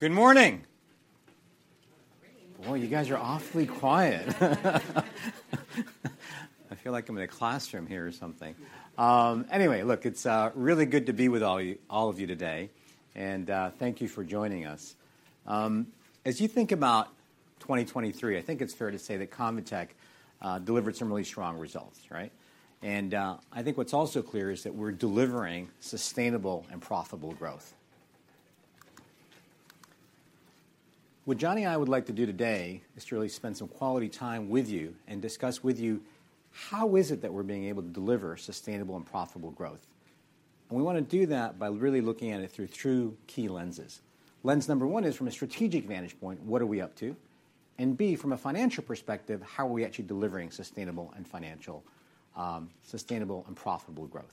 Good morning. Good morning. Boy, you guys are awfully quiet. I feel like I'm in a classroom here or something. Anyway, look, it's really good to be with all of you today. Thank you for joining us. As you think about 2023, I think it's fair to say that ConvaTec delivered some really strong results, right? I think what's also clear is that we're delivering sustainable and profitable growth. What Jonny and I would like to do today is to really spend some quality time with you and discuss with you how is it that we're being able to deliver sustainable and profitable growth. We want to do that by really looking at it through three key lenses. Lens number one is, from a strategic vantage point, what are we up to? And B, from a financial perspective, how are we actually delivering sustainable and financial sustainable and profitable growth?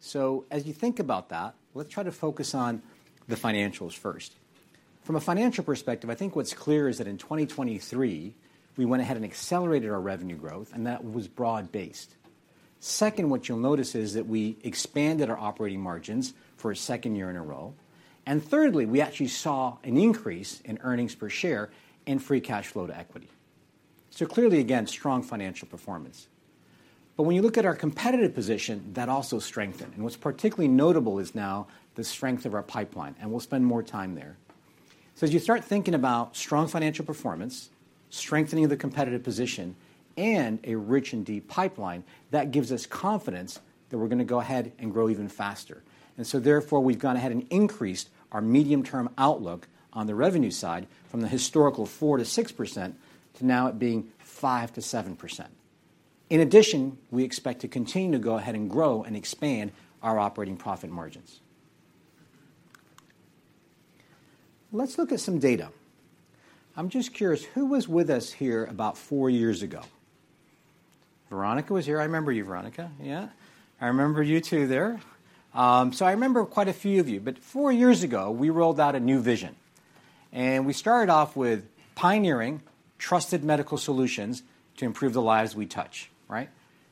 So as you think about that, let's try to focus on the financials first. From a financial perspective, I think what's clear is that in 2023, we went ahead and accelerated our revenue growth. That was broad-based. Second, what you'll notice is that we expanded our operating margins for a second year in a row. And thirdly, we actually saw an increase in earnings per share and free cash flow to equity. So clearly, again, strong financial performance. But when you look at our competitive position, that also strengthened. What's particularly notable is now the strength of our pipeline. We'll spend more time there. So as you start thinking about strong financial performance, strengthening of the competitive position, and a rich and deep pipeline, that gives us confidence that we're going to go ahead and grow even faster. And so therefore, we've gone ahead and increased our medium-term outlook on the revenue side from the historical 4%-6% to now it being 5%-7%. In addition, we expect to continue to go ahead and grow and expand our operating profit margins. Let's look at some data. I'm just curious, who was with us here about four years ago? Veronika was here. I remember you, Veronika. Yeah? I remember you two there. So I remember quite a few of you. But four years ago, we rolled out a new vision. And we started off with pioneering trusted medical solutions to improve the lives we touch, right?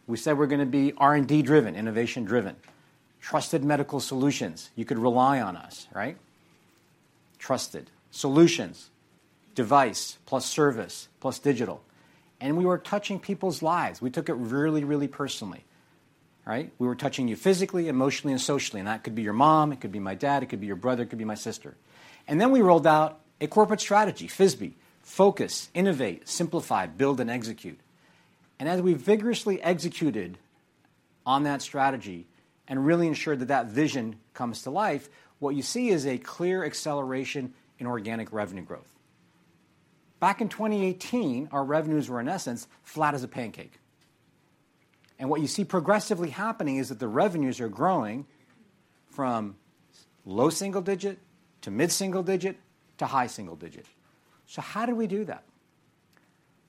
We said we're going to be R&D-driven, innovation-driven. Trusted medical solutions, you could rely on us, right? Trusted solutions, device plus service plus digital. And we were touching people's lives. We took it really, really personally, right? We were touching you physically, emotionally, and socially. That could be your mom. It could be my dad. It could be your brother. It could be my sister. Then we rolled out a corporate strategy, FISBE: focus, innovate, simplify, build, and execute. As we vigorously executed on that strategy and really ensured that that vision comes to life, what you see is a clear acceleration in organic revenue growth. Back in 2018, our revenues were, in essence, flat as a pancake. What you see progressively happening is that the revenues are growing from low single digit to mid single digit to high single digit. How did we do that?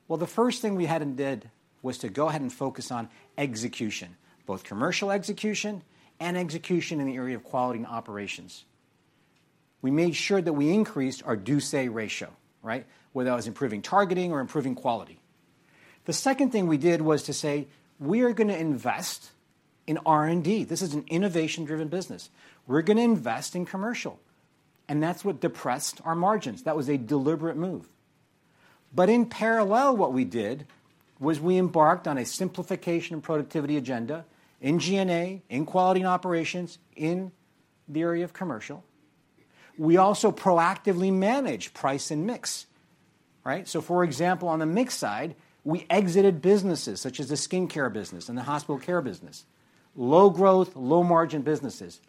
Well, the first thing we had and did was to go ahead and focus on execution, both commercial execution and execution in the area of quality and operations. We made sure that we increased our Dose/Day Ratio, right, whether that was improving targeting or improving quality. The second thing we did was to say, "We are going to invest in R&D. This is an innovation-driven business. We're going to invest in commercial." And that's what depressed our margins. That was a deliberate move. But in parallel, what we did was we embarked on a simplification and productivity agenda in G&A, in quality and operations, in the area of commercial. We also proactively managed price and mix, right? So for example, on the mix side, we exited businesses such as the skincare business and the hospital care business, low-growth, low-margin businesses.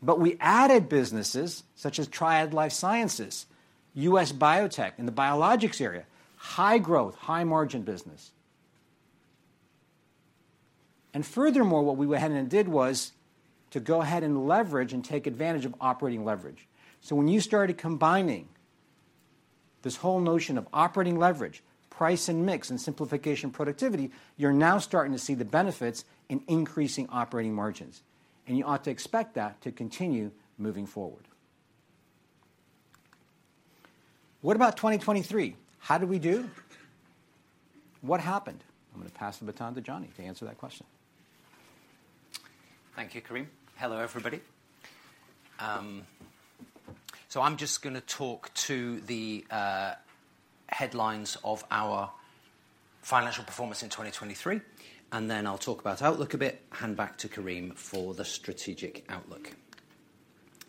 But we added businesses such as Triad Life Sciences, U.S. biotech in the biologics area, high-growth, high-margin business. And furthermore, what we went ahead and did was to go ahead and leverage and take advantage of operating leverage. When you started combining this whole notion of operating leverage, price and mix, and simplification productivity, you're now starting to see the benefits in increasing operating margins. You ought to expect that to continue moving forward. What about 2023? How did we do? What happened? I'm going to pass the baton to Jonny to answer that question. Thank you, Karim. Hello, everybody. I'm just going to talk to the headlines of our financial performance in 2023. Then I'll talk about outlook a bit. Hand back to Karim for the strategic outlook.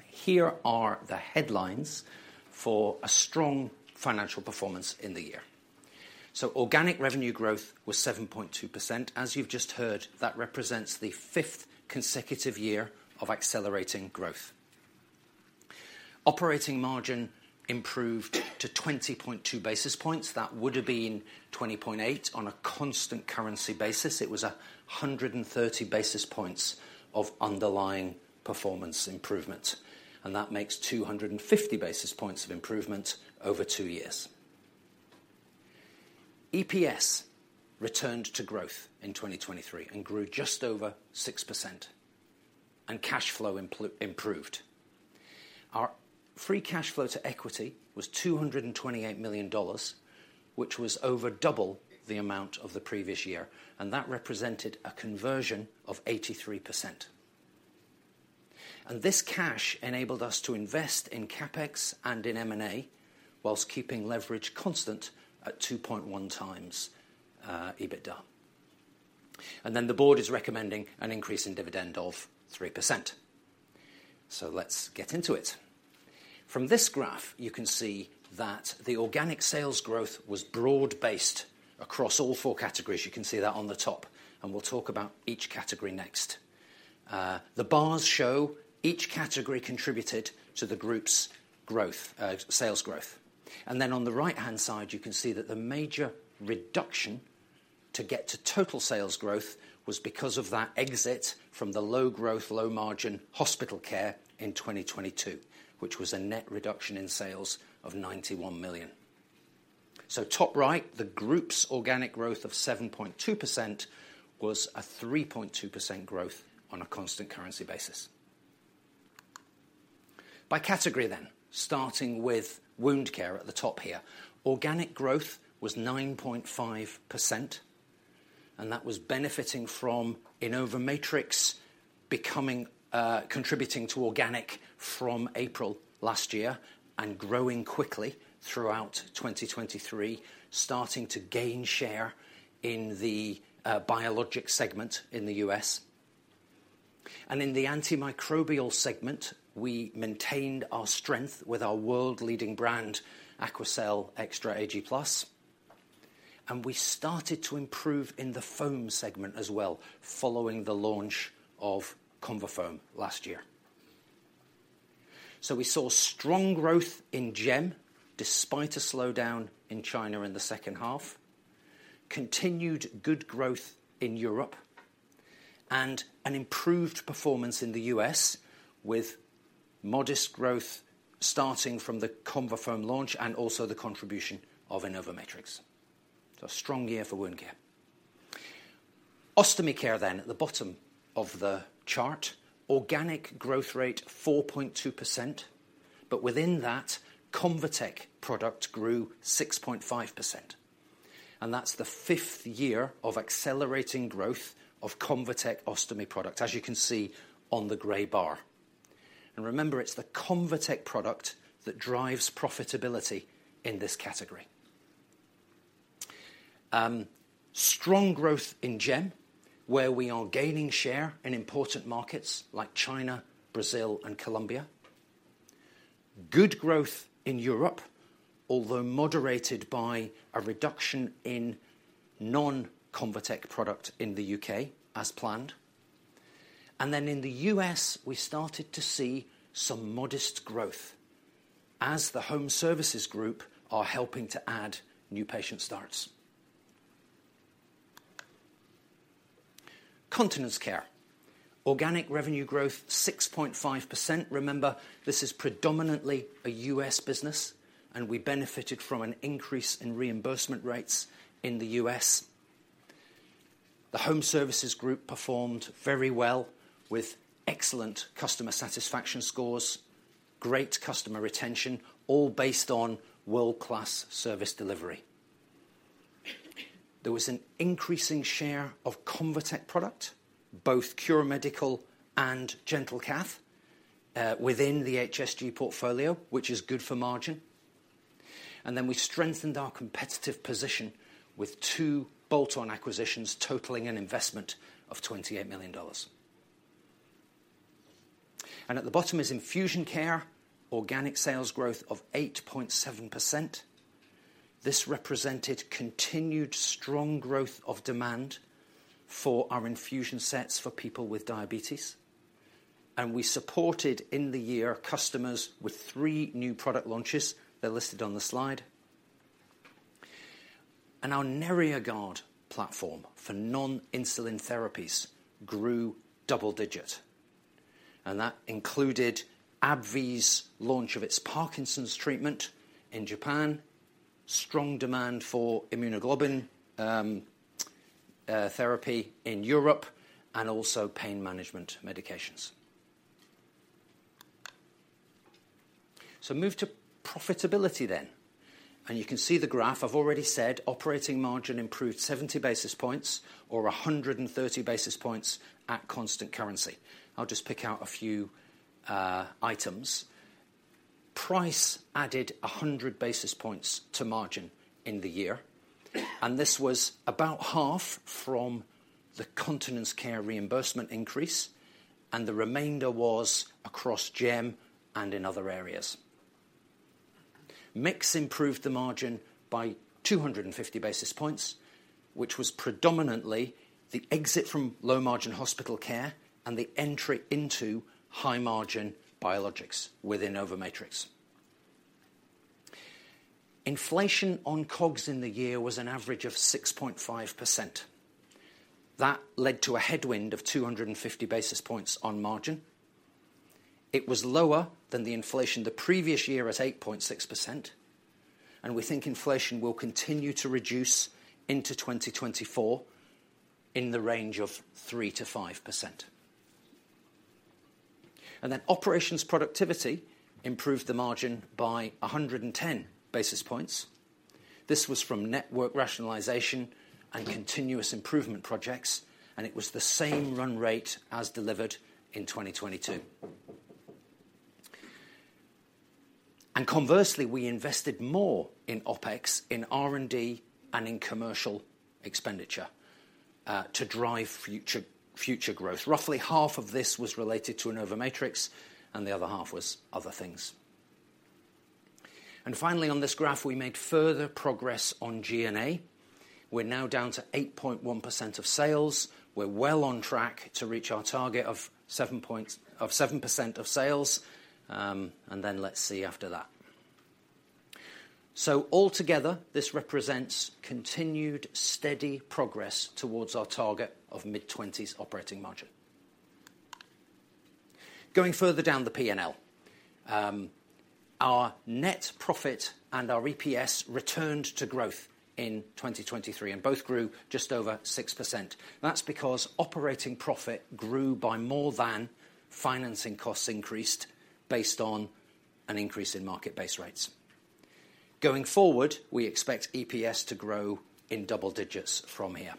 Here are the headlines for a strong financial performance in the year. Organic revenue growth was 7.2%. As you've just heard, that represents the fifth consecutive year of accelerating growth. Operating margin improved to 20.2%. That would have been 20.8% on a constant currency basis. It was 130 basis points of underlying performance improvement. And that makes 250 basis points of improvement over two years. EPS returned to growth in 2023 and grew just over 6%. And cash flow improved. Our free cash flow to equity was $228 million, which was over double the amount of the previous year. And that represented a conversion of 83%. This cash enabled us to invest in CapEx and in M&A while keeping leverage constant at 2.1 times EBITDA. The board is recommending an increase in dividend of 3%. So let's get into it. From this graph, you can see that the organic sales growth was broad-based across all four categories. You can see that on the top. We'll talk about each category next. The bars show each category contributed to the group's sales growth. On the right-hand side, you can see that the major reduction to get to total sales growth was because of that exit from the low-growth, low-margin hospital care in 2022, which was a net reduction in sales of $91 million. Top right, the group's organic growth of 7.2% was a 3.2% growth on a constant currency basis. By category then, starting with Wound Care at the top here, organic growth was 9.5%. And that was benefiting from InnovaMatrix contributing to organic from April last year and growing quickly throughout 2023, starting to gain share in the biologics segment in the U.S. And in the antimicrobial segment, we maintained our strength with our world-leading brand, AQUACEL Ag+ Extra. And we started to improve in the foam segment as well, following the launch of ConvaFoam last year. So we saw strong growth in GEM despite a slowdown in China in the second half, continued good growth in Europe, and an improved performance in the U.S. with modest growth starting from the ConvaFoam launch and also the contribution of InnovaMatrix. So a strong year for Wound Care. Ostomy Care then at the bottom of the chart, organic growth rate 4.2%. But within that, ConvaTec product grew 6.5%. And that's the fifth year of accelerating growth of ConvaTec ostomy product, as you can see on the gray bar. And remember, it's the ConvaTec product that drives profitability in this category. Strong growth in GEM, where we are gaining share in important markets like China, Brazil, and Colombia. Good growth in Europe, although moderated by a reduction in non-ConvaTec product in the U.K. as planned. And then in the U.S., we started to see some modest growth as the Home Services Group are helping to add new patient starts. Continence Care, organic revenue growth 6.5%. Remember, this is predominantly a U.S. business. And we benefited from an increase in reimbursement rates in the U.S. The Home Services Group performed very well with excellent customer satisfaction scores, great customer retention, all based on world-class service delivery. There was an increasing share of ConvaTec product, both Cure Medical and GentleCath, within the HSG portfolio, which is good for margin. And then we strengthened our competitive position with two bolt-on acquisitions totaling an investment of $28 million. And at the bottom is Infusion Care, organic sales growth of 8.7%. This represented continued strong growth of demand for our infusion sets for people with diabetes. And we supported in the year customers with 3 new product launches. They're listed on the slide. And our NeriaGuard platform for non-insulin therapies grew double-digit. And that included AbbVie's launch of its Parkinson's treatment in Japan, strong demand for immunoglobulin therapy in Europe, and also pain management medications. So move to profitability then. And you can see the graph. I've already said operating margin improved 70 basis points or 130 basis points at constant currency. I'll just pick out a few items. Pricing added 100 basis points to margin in the year. This was about half from the Continence Care reimbursement increase. The remainder was across GEM and in other areas. Mix improved the margin by 250 basis points, which was predominantly the exit from low-margin hospital care and the entry into high-margin biologics with InnovaMatrix. Inflation on COGS in the year was an average of 6.5%. That led to a headwind of 250 basis points on margin. It was lower than the inflation the previous year at 8.6%. We think inflation will continue to reduce into 2024 in the range of 3%-5%. Then operations productivity improved the margin by 110 basis points. This was from network rationalization and continuous improvement projects. It was the same run rate as delivered in 2022. Conversely, we invested more in OpEx, in R&D, and in commercial expenditure to drive future growth. Roughly half of this was related to InnovaMatrix. The other half was other things. Finally, on this graph, we made further progress on G&A. We're now down to 8.1% of sales. We're well on track to reach our target of 7% of sales. Then let's see after that. Altogether, this represents continued steady progress towards our target of mid-20s operating margin. Going further down the P&L, our net profit and our EPS returned to growth in 2023. Both grew just over 6%. That's because operating profit grew by more than financing costs increased based on an increase in market base rates. Going forward, we expect EPS to grow in double digits from here.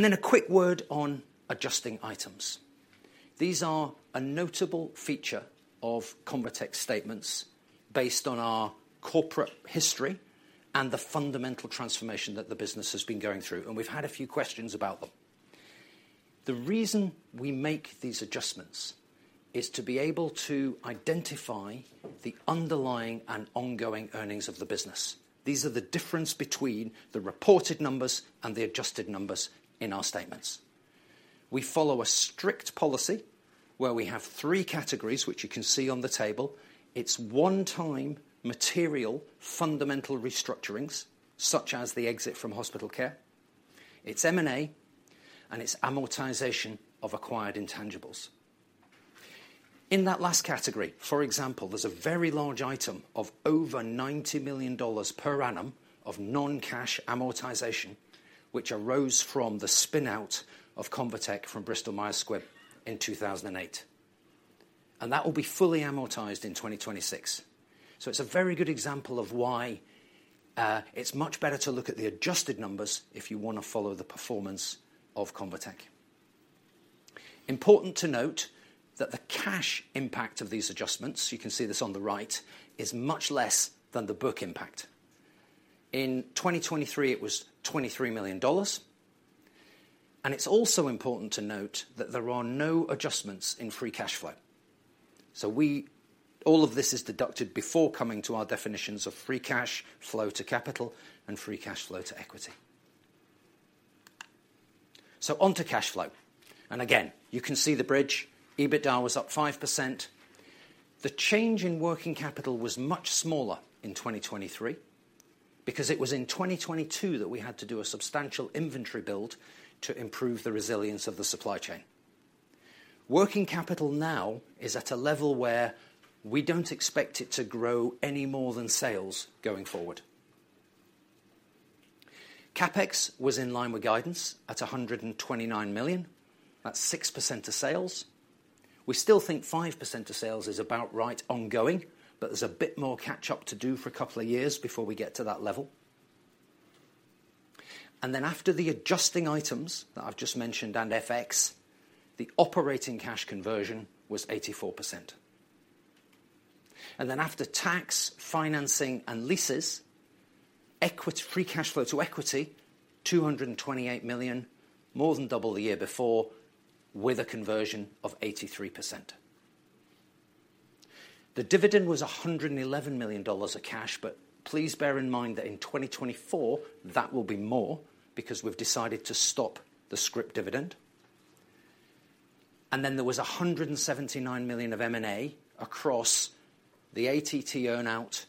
Then a quick word on adjusting items. These are a notable feature of ConvaTec's statements based on our corporate history and the fundamental transformation that the business has been going through. We've had a few questions about them. The reason we make these adjustments is to be able to identify the underlying and ongoing earnings of the business. These are the difference between the reported numbers and the adjusted numbers in our statements. We follow a strict policy where we have three categories, which you can see on the table. It's one-time material fundamental restructurings, such as the exit from hospital care. It's M&A. It's amortization of acquired intangibles. In that last category, for example, there's a very large item of over $90 million per annum of non-cash amortization, which arose from the spin-out of ConvaTec from Bristol Myers Squibb in 2008. That will be fully amortized in 2026. So it's a very good example of why it's much better to look at the adjusted numbers if you want to follow the performance of ConvaTec. Important to note that the cash impact of these adjustments you can see this on the right is much less than the book impact. In 2023, it was $23 million. And it's also important to note that there are no adjustments in free cash flow. So all of this is deducted before coming to our definitions of free cash flow to capital and free cash flow to equity. So onto cash flow. And again, you can see the bridge. EBITDA was up 5%. The change in working capital was much smaller in 2023 because it was in 2022 that we had to do a substantial inventory build to improve the resilience of the supply chain. Working capital now is at a level where we don't expect it to grow any more than sales going forward. CapEx was in line with guidance at $129 million. That's 6% of sales. We still think 5% of sales is about right ongoing. But there's a bit more catch-up to do for a couple of years before we get to that level. And then after the adjusting items that I've just mentioned and FX, the operating cash conversion was 84%. And then after tax, financing, and leases, free cash flow to equity, $228 million, more than double the year before with a conversion of 83%. The dividend was $111 million of cash. But please bear in mind that in 2024, that will be more because we've decided to stop the scrip dividend. Then there was $179 million of M&A across the ATT earnout,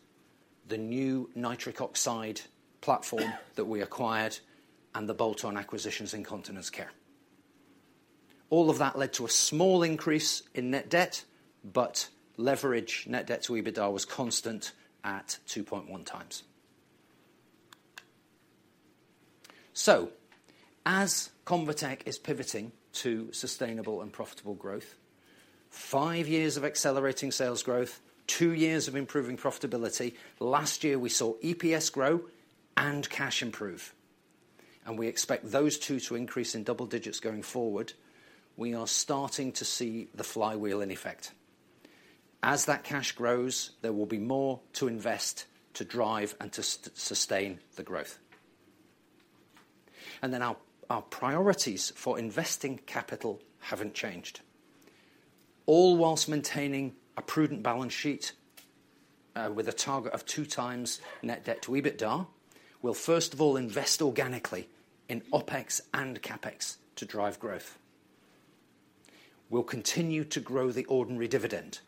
the new nitric oxide platform that we acquired, and the bolt-on acquisitions in Continence Care. All of that led to a small increase in net debt. Leverage net debt to EBITDA was constant at 2.1x. As ConvaTec is pivoting to sustainable and profitable growth, five years of accelerating sales growth, two years of improving profitability, last year, we saw EPS grow and cash improve. We expect those two to increase in double digits going forward. We are starting to see the flywheel in effect. As that cash grows, there will be more to invest to drive and to sustain the growth. Our priorities for investing capital haven't changed. All whilst maintaining a prudent balance sheet with a target of 2x net debt to EBITDA, we'll, first of all, invest organically in OpEx and CapEx to drive growth. We'll continue to grow the ordinary dividend,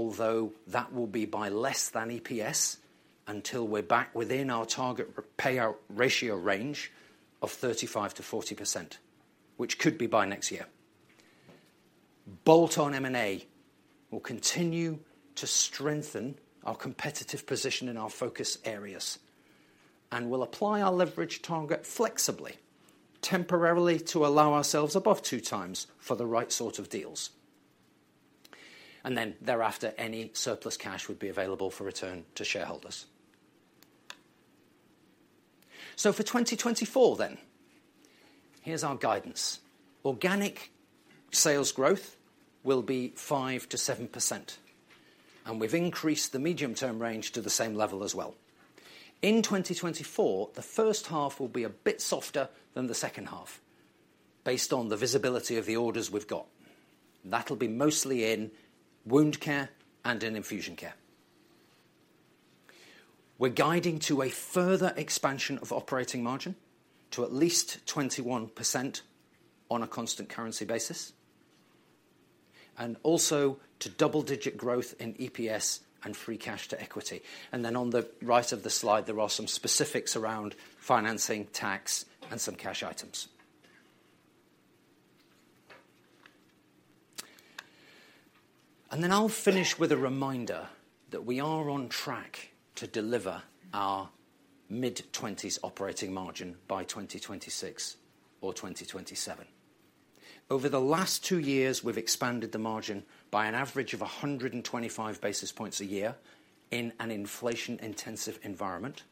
although that will be by less than EPS until we're back within our target payout ratio range of 35%-40%, which could be by next year. Bolt-on M&A will continue to strengthen our competitive position in our focus areas. And we'll apply our leverage target flexibly, temporarily, to allow ourselves above 2x for the right sort of deals. And then thereafter, any surplus cash would be available for return to shareholders. So for 2024 then, here's our guidance. Organic sales growth will be 5%-7%. And we've increased the medium-term range to the same level as well. In 2024, the first half will be a bit softer than the second half based on the visibility of the orders we've got. That'll be mostly in Wound Care and in infusion care. We're guiding to a further expansion of operating margin to at least 21% on a constant currency basis and also to double-digit growth in EPS and free cash to equity. And then on the right of the slide, there are some specifics around financing, tax, and some cash items. And then I'll finish with a reminder that we are on track to deliver our mid-20s operating margin by 2026 or 2027. Over the last two years, we've expanded the margin by an average of 125 basis points a year in an inflation-intensive environment.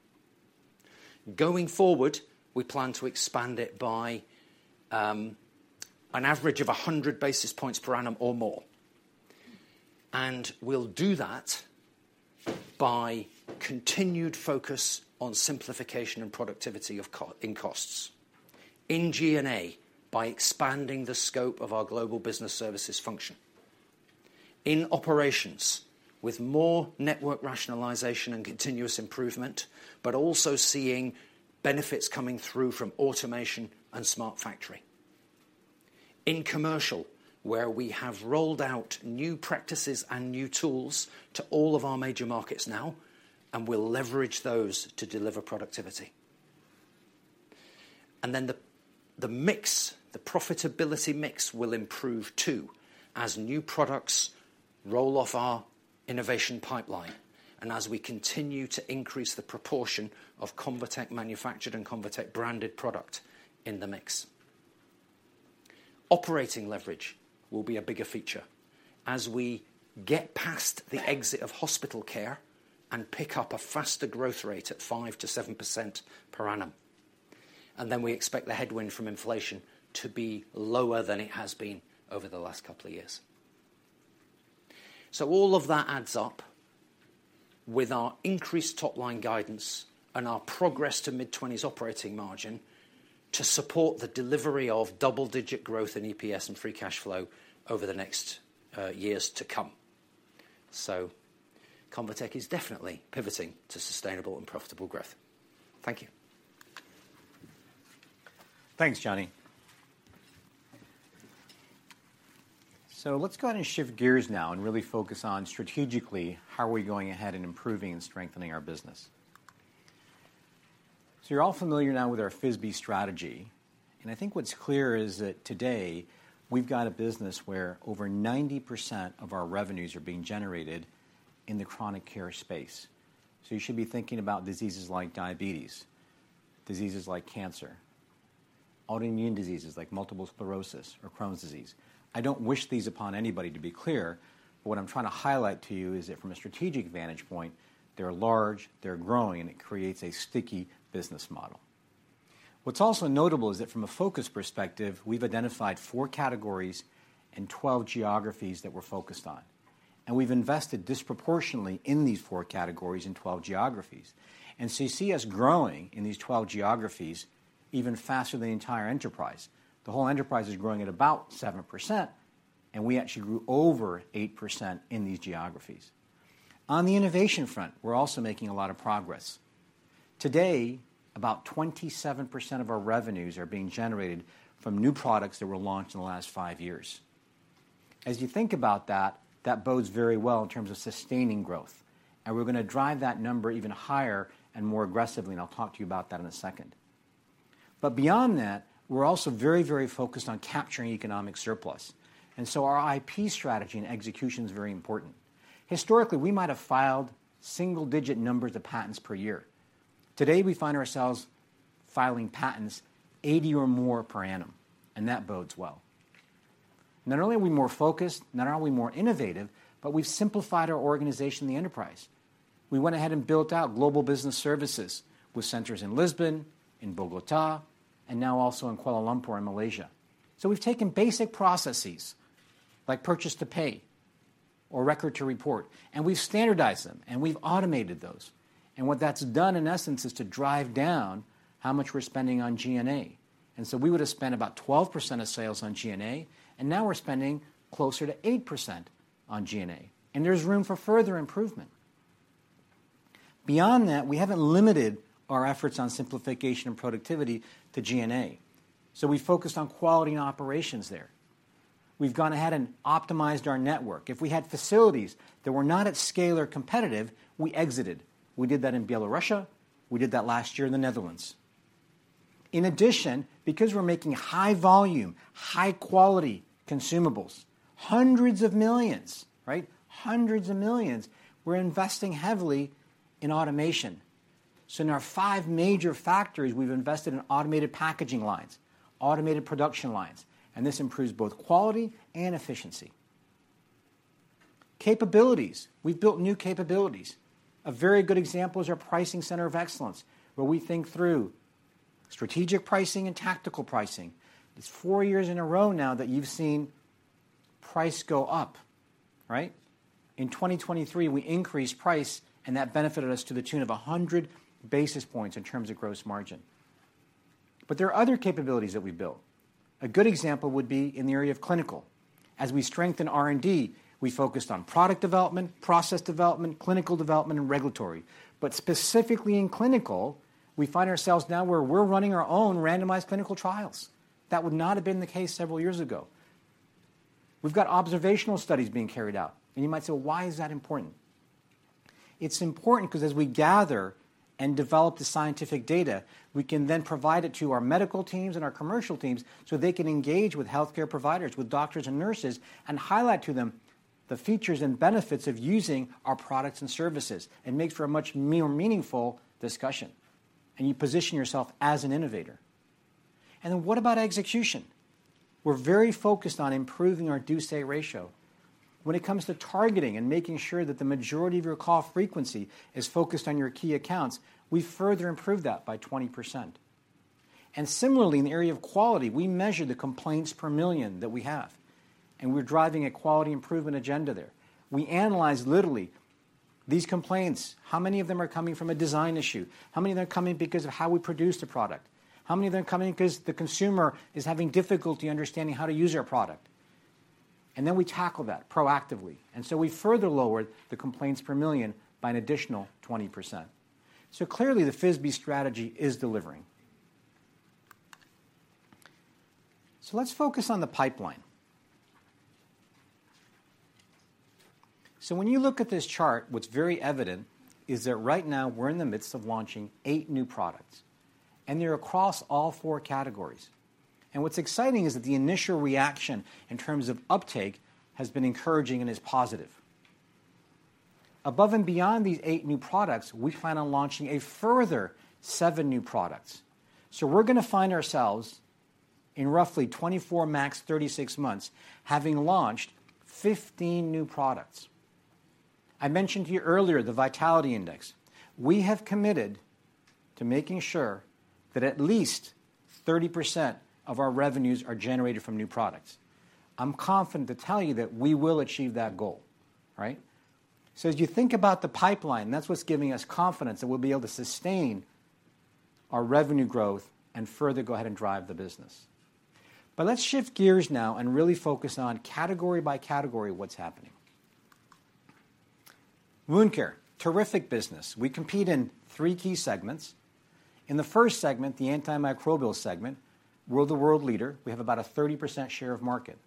Going forward, we plan to expand it by an average of 100 basis points per annum or more. We'll do that by continued focus on simplification and productivity in costs in G&A by expanding the scope of our global business services function, in operations with more network rationalization and continuous improvement, but also seeing benefits coming through from automation and smart factory, in commercial where we have rolled out new practices and new tools to all of our major markets now. We'll leverage those to deliver productivity. Then the profitability mix will improve too as new products roll off our innovation pipeline and as we continue to increase the proportion of ConvaTec manufactured and ConvaTec branded product in the mix. Operating leverage will be a bigger feature as we get past the exit of hospital care and pick up a faster growth rate at 5%-7% per annum. Then we expect the headwind from inflation to be lower than it has been over the last couple of years. So all of that adds up with our increased top-line guidance and our progress to mid-20s operating margin to support the delivery of double-digit growth in EPS and free cash flow over the next years to come. ConvaTec is definitely pivoting to sustainable and profitable growth. Thank you. Thanks, Jonny. So let's go ahead and shift gears now and really focus on strategically, how are we going ahead and improving and strengthening our business? So you're all familiar now with our FISBE strategy. And I think what's clear is that today, we've got a business where over 90% of our revenues are being generated in the chronic care space. So you should be thinking about diseases like diabetes, diseases like cancer, autoimmune diseases like multiple sclerosis or Crohn's disease. I don't wish these upon anybody, to be clear. But what I'm trying to highlight to you is that from a strategic vantage point, they're large. They're growing. And it creates a sticky business model. What's also notable is that from a focus perspective, we've identified four categories and 12 geographies that we're focused on. And we've invested disproportionately in these four categories in 12 geographies. So you see us growing in these 12 geographies even faster than the entire enterprise. The whole enterprise is growing at about 7%. And we actually grew over 8% in these geographies. On the innovation front, we're also making a lot of progress. Today, about 27% of our revenues are being generated from new products that were launched in the last five years. As you think about that, that bodes very well in terms of sustaining growth. And we're going to drive that number even higher and more aggressively. And I'll talk to you about that in a second. But beyond that, we're also very, very focused on capturing economic surplus. And so our IP strategy and execution is very important. Historically, we might have filed single-digit numbers of patents per year. Today, we find ourselves filing patents 80 or more per annum. And that bodes well. Not only are we more focused, not only are we more innovative, but we've simplified our organization, the enterprise. We went ahead and built out global business services with centers in Lisbon, in Bogotá, and now also in Kuala Lumpur in Malaysia. So we've taken basic processes like purchase to pay or record to report. We've standardized them. We've automated those. And what that's done, in essence, is to drive down how much we're spending on G&A. So we would have spent about 12% of sales on G&A. Now, we're spending closer to 8% on G&A. There's room for further improvement. Beyond that, we haven't limited our efforts on simplification and productivity to G&A. We focused on quality and operations there. We've gone ahead and optimized our network. If we had facilities that were not at scale or competitive, we exited. We did that in Belarus. We did that last year in the Netherlands. In addition, because we're making high-volume, high-quality consumables, hundreds of millions, right, hundreds of millions, we're investing heavily in automation. So in our five major factories, we've invested in automated packaging lines, automated production lines. And this improves both quality and efficiency. Capabilities. We've built new capabilities. A very good example is our pricing center of excellence where we think through strategic pricing and tactical pricing. It's four years in a row now that you've seen price go up, right? In 2023, we increased price. And that benefited us to the tune of 100 basis points in terms of gross margin. But there are other capabilities that we've built. A good example would be in the area of clinical. As we strengthen R&D, we focused on product development, process development, clinical development, and regulatory. But specifically in clinical, we find ourselves now where we're running our own randomized clinical trials. That would not have been the case several years ago. We've got observational studies being carried out. And you might say, "Well, why is that important?" It's important because as we gather and develop the scientific data, we can then provide it to our medical teams and our commercial teams so they can engage with healthcare providers, with doctors and nurses, and highlight to them the features and benefits of using our products and services. It makes for a much more meaningful discussion. And you position yourself as an innovator. And then what about execution? We're very focused on improving our Dose/Day Ratio. When it comes to targeting and making sure that the majority of your call frequency is focused on your key accounts, we further improved that by 20%. And similarly, in the area of quality, we measure the complaints per million that we have. We're driving a quality improvement agenda there. We analyze literally these complaints. How many of them are coming from a design issue? How many of them are coming because of how we produce the product? How many of them are coming because the consumer is having difficulty understanding how to use our product? Then we tackle that proactively. So we further lowered the complaints per million by an additional 20%. Clearly, the FISBE strategy is delivering. Let's focus on the pipeline. When you look at this chart, what's very evident is that right now, we're in the midst of launching eight new products. They're across all four categories. What's exciting is that the initial reaction in terms of uptake has been encouraging and is positive. Above and beyond these eight new products, we plan on launching a further seven new products. So we're going to find ourselves, in roughly 24, max 36 months, having launched 15 new products. I mentioned to you earlier the vitality index. We have committed to making sure that at least 30% of our revenues are generated from new products. I'm confident to tell you that we will achieve that goal, right? So as you think about the pipeline, that's what's giving us confidence that we'll be able to sustain our revenue growth and further go ahead and drive the business. But let's shift gears now and really focus on category by category what's happening. Wound Care. Terrific business. We compete in three key segments. In the first segment, the antimicrobial segment, we're the world leader. We have about a 30% share of market.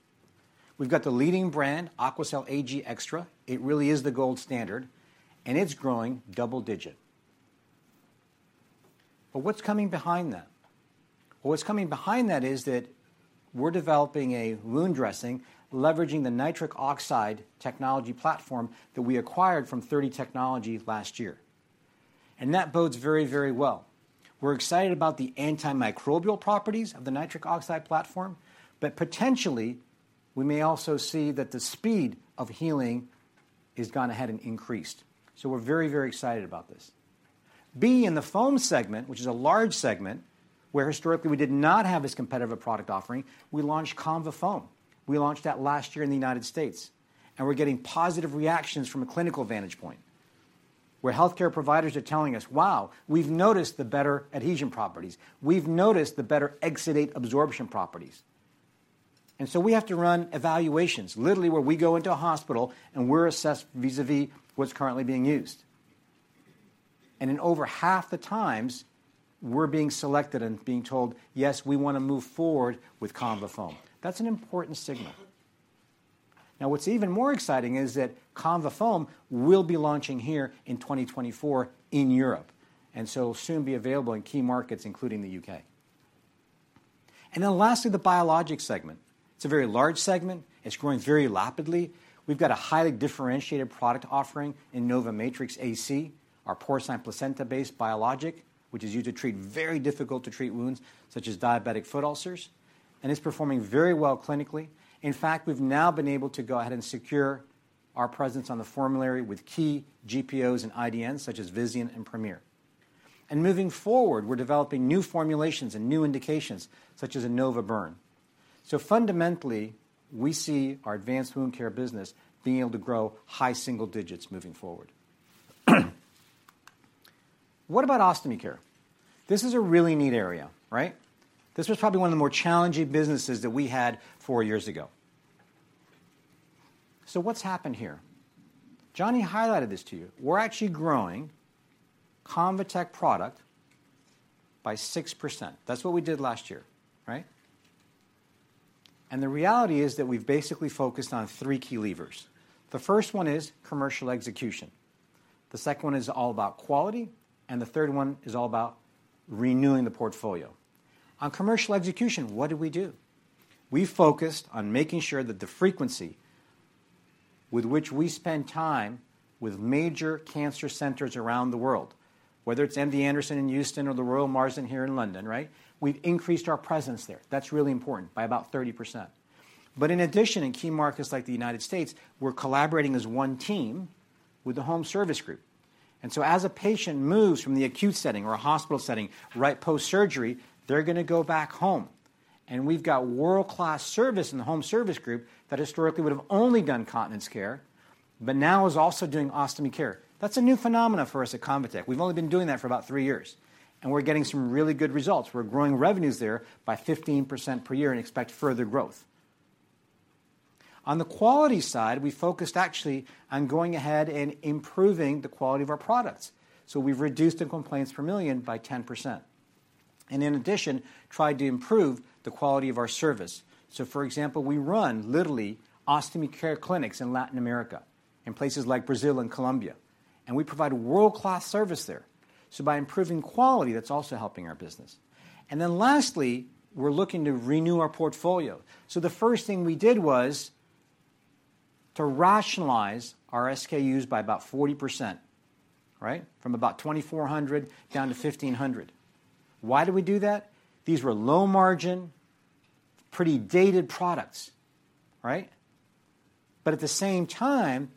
We've got the leading brand, AQUACEL Ag+ Extra. It really is the gold standard. And it's growing double-digit. But what's coming behind that? Well, what's coming behind that is that we're developing a wound dressing leveraging the nitric oxide technology platform that we acquired from 30 Technology last year. And that bodes very, very well. We're excited about the antimicrobial properties of the nitric oxide platform. But potentially, we may also see that the speed of healing has gone ahead and increased. So we're very, very excited about this. B, in the foam segment, which is a large segment where historically, we did not have as competitive a product offering, we launched ConvaFoam. We launched that last year in the United States. And we're getting positive reactions from a clinical vantage point where healthcare providers are telling us, "Wow, we've noticed the better adhesion properties. We've noticed the better exudate absorption properties." And so we have to run evaluations, literally where we go into a hospital and we're assessed vis-à-vis what's currently being used. And in over half the times, we're being selected and being told, "Yes, we want to move forward with ConvaFoam." That's an important signal. Now, what's even more exciting is that ConvaFoam will be launching here in 2024 in Europe and soon be available in key markets, including the U.K. And then lastly, the biologic segment. It's a very large segment. It's growing very rapidly. We've got a highly differentiated product offering in InnovaMatrix AC, our porcine placenta-based biologic, which is used to treat very difficult-to-treat wounds such as diabetic foot ulcers. And it's performing very well clinically. In fact, we've now been able to go ahead and secure our presence on the formulary with key GPOs and IDNs such as Vizient and Premier. And moving forward, we're developing new formulations and new indications such as InnovaBurn. So fundamentally, we see our advanced Wound Care business being able to grow high single digits moving forward. What about ostomy care? This is a really neat area, right? This was probably one of the more challenging businesses that we had four years ago. So what's happened here? Jonny highlighted this to you. We're actually growing ConvaTec product by 6%. That's what we did last year, right? And the reality is that we've basically focused on three key levers. The first one is commercial execution. The second one is all about quality. And the third one is all about renewing the portfolio. On commercial execution, what did we do? We focused on making sure that the frequency with which we spend time with major cancer centers around the world, whether it's MD Anderson in Houston or the Royal Marsden here in London, right, we've increased our presence there. That's really important by about 30%. But in addition, in key markets like the United States, we're collaborating as one team with the Home Services Group. And so as a patient moves from the acute setting or a hospital setting right post-surgery, they're going to go back home. And we've got world-class service in the Home Services Group that historically would have only done continence care but now is also doing ostomy care. That's a new phenomenon for us at ConvaTec. We've only been doing that for about three years. And we're getting some really good results. We're growing revenues there by 15% per year and expect further growth. On the quality side, we focused actually on going ahead and improving the quality of our products. So we've reduced the complaints per million by 10% and in addition, tried to improve the quality of our service. So for example, we run literally Ostomy Care clinics in Latin America in places like Brazil and Colombia. And we provide world-class service there. So by improving quality, that's also helping our business. And then lastly, we're looking to renew our portfolio. So the first thing we did was to rationalize our SKUs by about 40%, right, from about 2,400 down to 1,500. Why did we do that? These were low-margin, pretty dated products, right? But at the same time,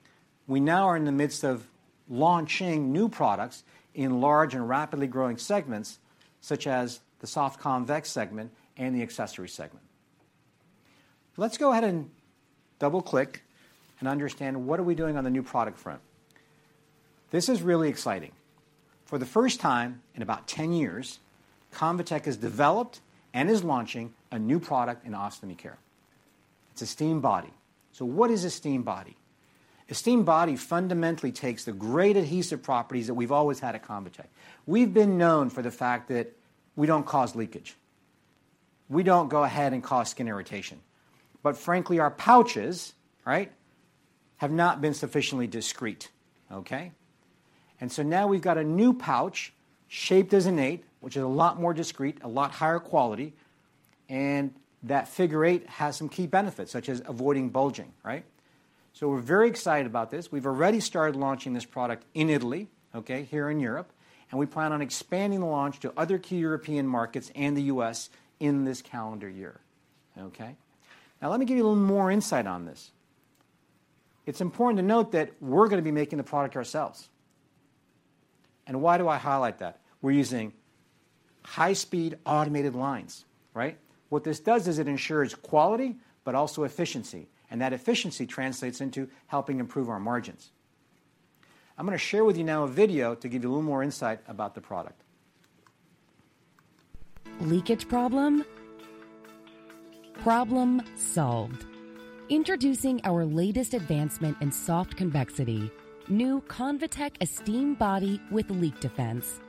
we now are in the midst of launching new products in large and rapidly growing segments such as the soft convex segment and the accessory segment. Let's go ahead and double-click and understand what are we doing on the new product front. This is really exciting. For the first time in about 10 years, ConvaTec has developed and is launching a new product in ostomy care. It's an Esteem Body. So what is an Esteem Body? An Esteem Body fundamentally takes the great adhesive properties that we've always had at ConvaTec. We've been known for the fact that we don't cause leakage. We don't go ahead and cause skin irritation. But frankly, our pouches, right, have not been sufficiently discreet, okay? And so now, we've got a new pouch shaped as an eight, which is a lot more discreet, a lot higher quality. And that figure eight has some key benefits such as avoiding bulging, right? So we're very excited about this. We've already started launching this product in Italy, okay, here in Europe. We plan on expanding the launch to other key European markets and the US in this calendar year, okay? Now, let me give you a little more insight on this. It's important to note that we're going to be making the product ourselves. And why do I highlight that? We're using high-speed automated lines, right? What this does is it ensures quality but also efficiency. And that efficiency translates into helping improve our margins. I'm going to share with you now a video to give you a little more insight about the product. Leakage problem? Problem solved. Introducing our latest advancement in soft convexity, new ConvaTec Esteem Body with Leak Defense.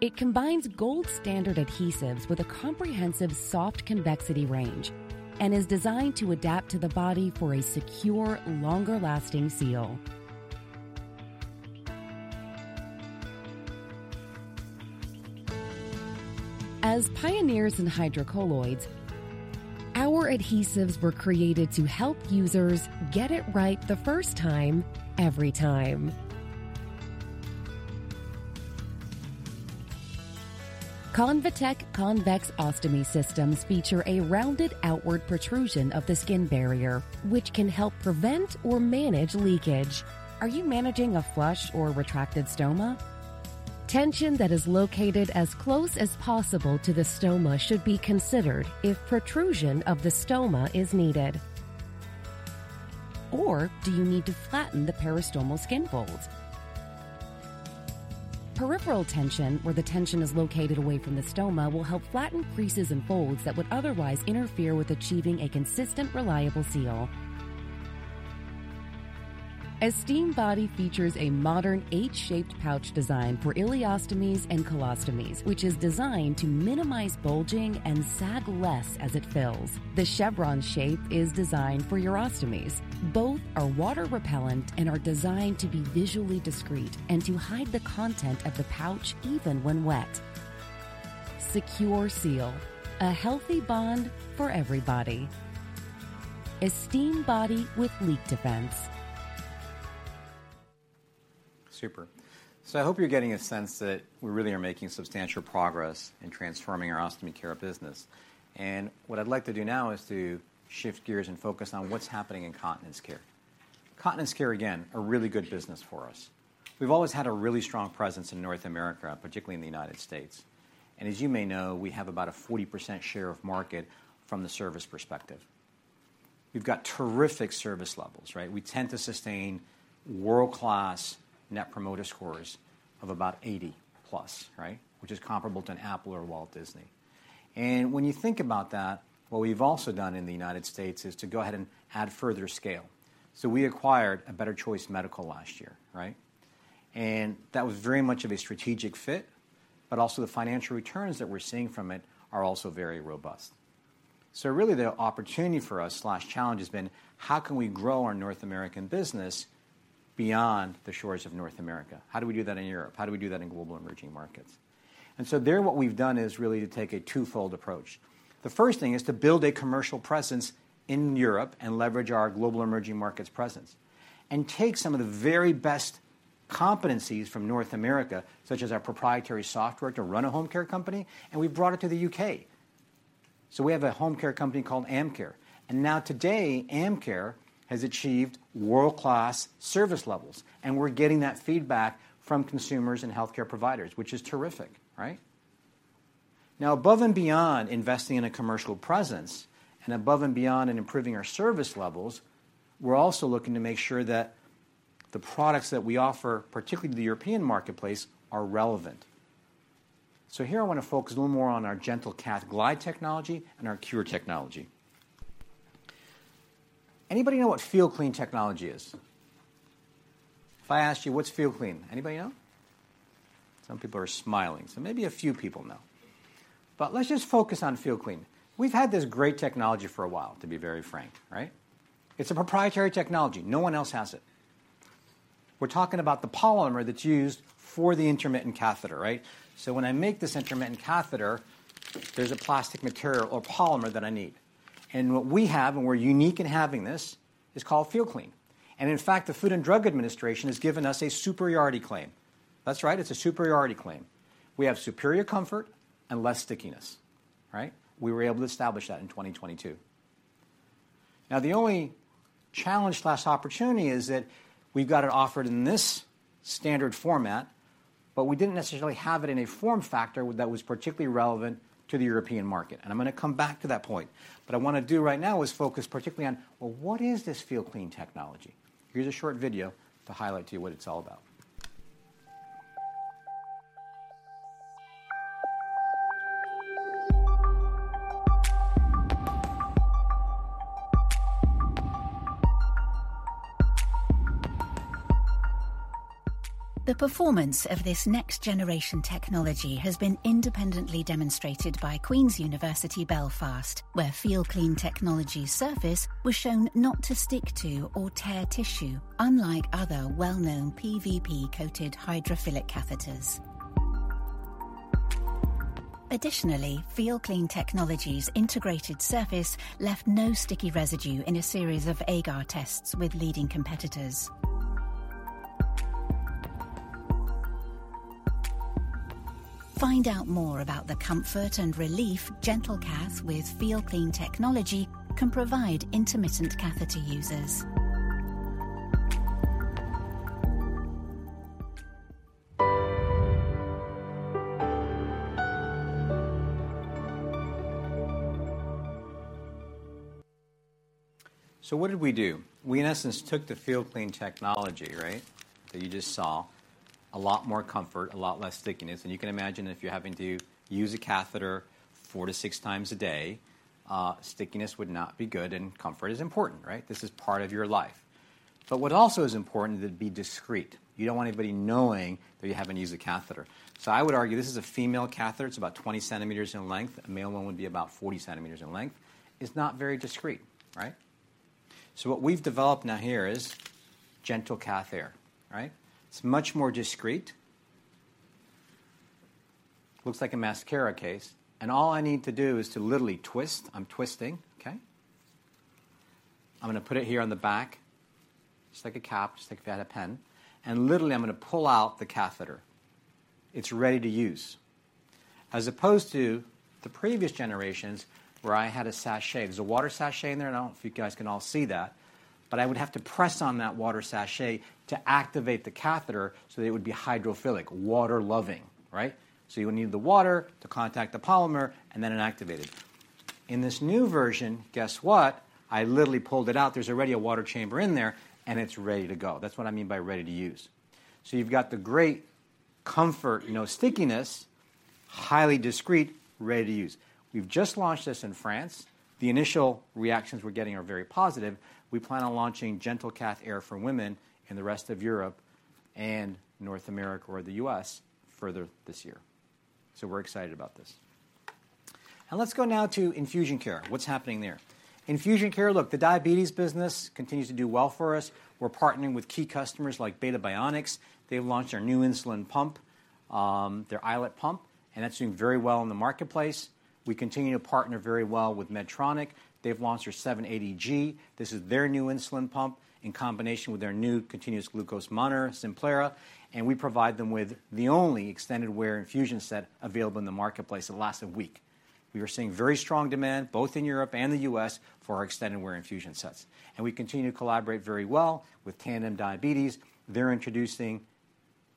It combines gold standard adhesives with a comprehensive soft convexity range and is designed to adapt to the body for a secure, longer-lasting seal. As pioneers in hydrocolloids, our adhesives were created to help users get it right the first time, every time. ConvaTec Convex Ostomy Systems feature a rounded outward protrusion of the skin barrier, which can help prevent or manage leakage. Are you managing a flush or retracted stoma? Tension that is located as close as possible to the stoma should be considered if protrusion of the stoma is needed. Or do you need to flatten the peristomal skin folds? Peripheral tension, where the tension is located away from the stoma, will help flatten creases and folds that would otherwise interfere with achieving a consistent, reliable seal. Esteem Body features a modern H-shaped pouch design for ileostomies and colostomies, which is designed to minimize bulging and sag less as it fills. The chevron shape is designed for your ostomies. Both are water-repellent and are designed to be visually discreet and to hide the content of the pouch even when wet. Secure seal. A healthy bond for everybody. Esteem Body with Leak Defense. Super. So I hope you're getting a sense that we really are making substantial progress in transforming our ostomy care business. What I'd like to do now is to shift gears and focus on what's happening in continence care. Continence care, again, a really good business for us. We've always had a really strong presence in North America, particularly in the United States. And as you may know, we have about a 40% share of market from the service perspective. We've got terrific service levels, right? We tend to sustain world-class net promoter scores of about 80+, right, which is comparable to an Apple or a Walt Disney. And when you think about that, what we've also done in the United States is to go ahead and add further scale. So we acquired Better Choice Medical last year, right? And that was very much of a strategic fit. But also, the financial returns that we're seeing from it are also very robust. So really, the opportunity for us, the challenge, has been, how can we grow our North American business beyond the shores of North America? How do we do that in Europe? How do we do that in global emerging markets? And so there, what we've done is really to take a two-fold approach. The first thing is to build a commercial presence in Europe and leverage our global emerging markets presence and take some of the very best competencies from North America, such as our proprietary software to run a home care company. And we brought it to the U.K. So we have a home care company called Amcare. And now today, Amcare has achieved world-class service levels. And we're getting that feedback from consumers and healthcare providers, which is terrific, right? Now, above and beyond investing in a commercial presence and above and beyond in improving our service levels, we're also looking to make sure that the products that we offer, particularly to the European marketplace, are relevant. So here, I want to focus a little more on our GentleCath Glide technology and our Cure technology. Anybody know what FeelClean technology is? If I asked you, "What's FeelClean?" Anybody know? Some people are smiling. So maybe a few people know. But let's just focus on FeelClean. We've had this great technology for a while, to be very frank, right? It's a proprietary technology. No one else has it. We're talking about the polymer that's used for the intermittent catheter, right? So when I make this intermittent catheter, there's a plastic material or polymer that I need. And what we have and we're unique in having this is called FeelClean. In fact, the Food and Drug Administration has given us a superiority claim. That's right. It's a superiority claim. We have superior comfort and less stickiness, right? We were able to establish that in 2022. Now, the only challenge or opportunity is that we've got it offered in this standard format. But we didn't necessarily have it in a form factor that was particularly relevant to the European market. And I'm going to come back to that point. But I want to do right now is focus particularly on, well, what is this FeelClean Technology? Here's a short video to highlight to you what it's all about. The performance of this next-generation technology has been independently demonstrated by Queen's University Belfast, where FeelClean Technology's surface was shown not to stick to or tear tissue, unlike other well-known PVP-coated hydrophilic catheters. Additionally, FeelClean Technology's integrated surface left no sticky residue in a series of agar tests with leading competitors. Find out more about the comfort and relief GentleCath with FeelClean Technology can provide intermittent catheter users. So what did we do? We, in essence, took the FeelClean Technology, right, that you just saw, a lot more comfort, a lot less stickiness. And you can imagine if you're having to use a catheter 4x-6x a day, stickiness would not be good. And comfort is important, right? This is part of your life. But what also is important is it'd be discreet. You don't want anybody knowing that you haven't used a catheter. So I would argue this is a female catheter. It's about 20 cm in length. A male one would be about 40 cm in length. It's not very discreet, right? So what we've developed now here is GentleCath Air, right? It's much more discreet. Looks like a mascara case. And all I need to do is to literally twist. I'm twisting, okay? I'm going to put it here on the back just like a cap, just like if you had a pen. And literally, I'm going to pull out the catheter. It's ready to use. As opposed to the previous generations where I had a sachet. There's a water sachet in there. I don't know if you guys can all see that. But I would have to press on that water sachet to activate the catheter so that it would be hydrophilic, water-loving, right? So you would need the water to contact the polymer and then it activated. In this new version, guess what? I literally pulled it out. There's already a water chamber in there. And it's ready to go. That's what I mean by ready to use. So you've got the great comfort, no stickiness, highly discreet, ready to use. We've just launched this in France. The initial reactions we're getting are very positive. We plan on launching GentleCath Air for women in the rest of Europe and North America or the U.S. further this year. So we're excited about this. And let's go now to Infusion Care. What's happening there? Infusion Care, look, the diabetes business continues to do well for us. We're partnering with key customers like Beta Bionics. They've launched our new insulin pump, their iLet pump. And that's doing very well in the marketplace. We continue to partner very well with Medtronic. They've launched their 780G. This is their new insulin pump in combination with their new continuous glucose monitor, Simplera. And we provide them with the only extended-wear infusion set available in the marketplace that lasts a week. We are seeing very strong demand both in Europe and the U.S. for our extended-wear infusion sets. And we continue to collaborate very well with Tandem Diabetes. They're introducing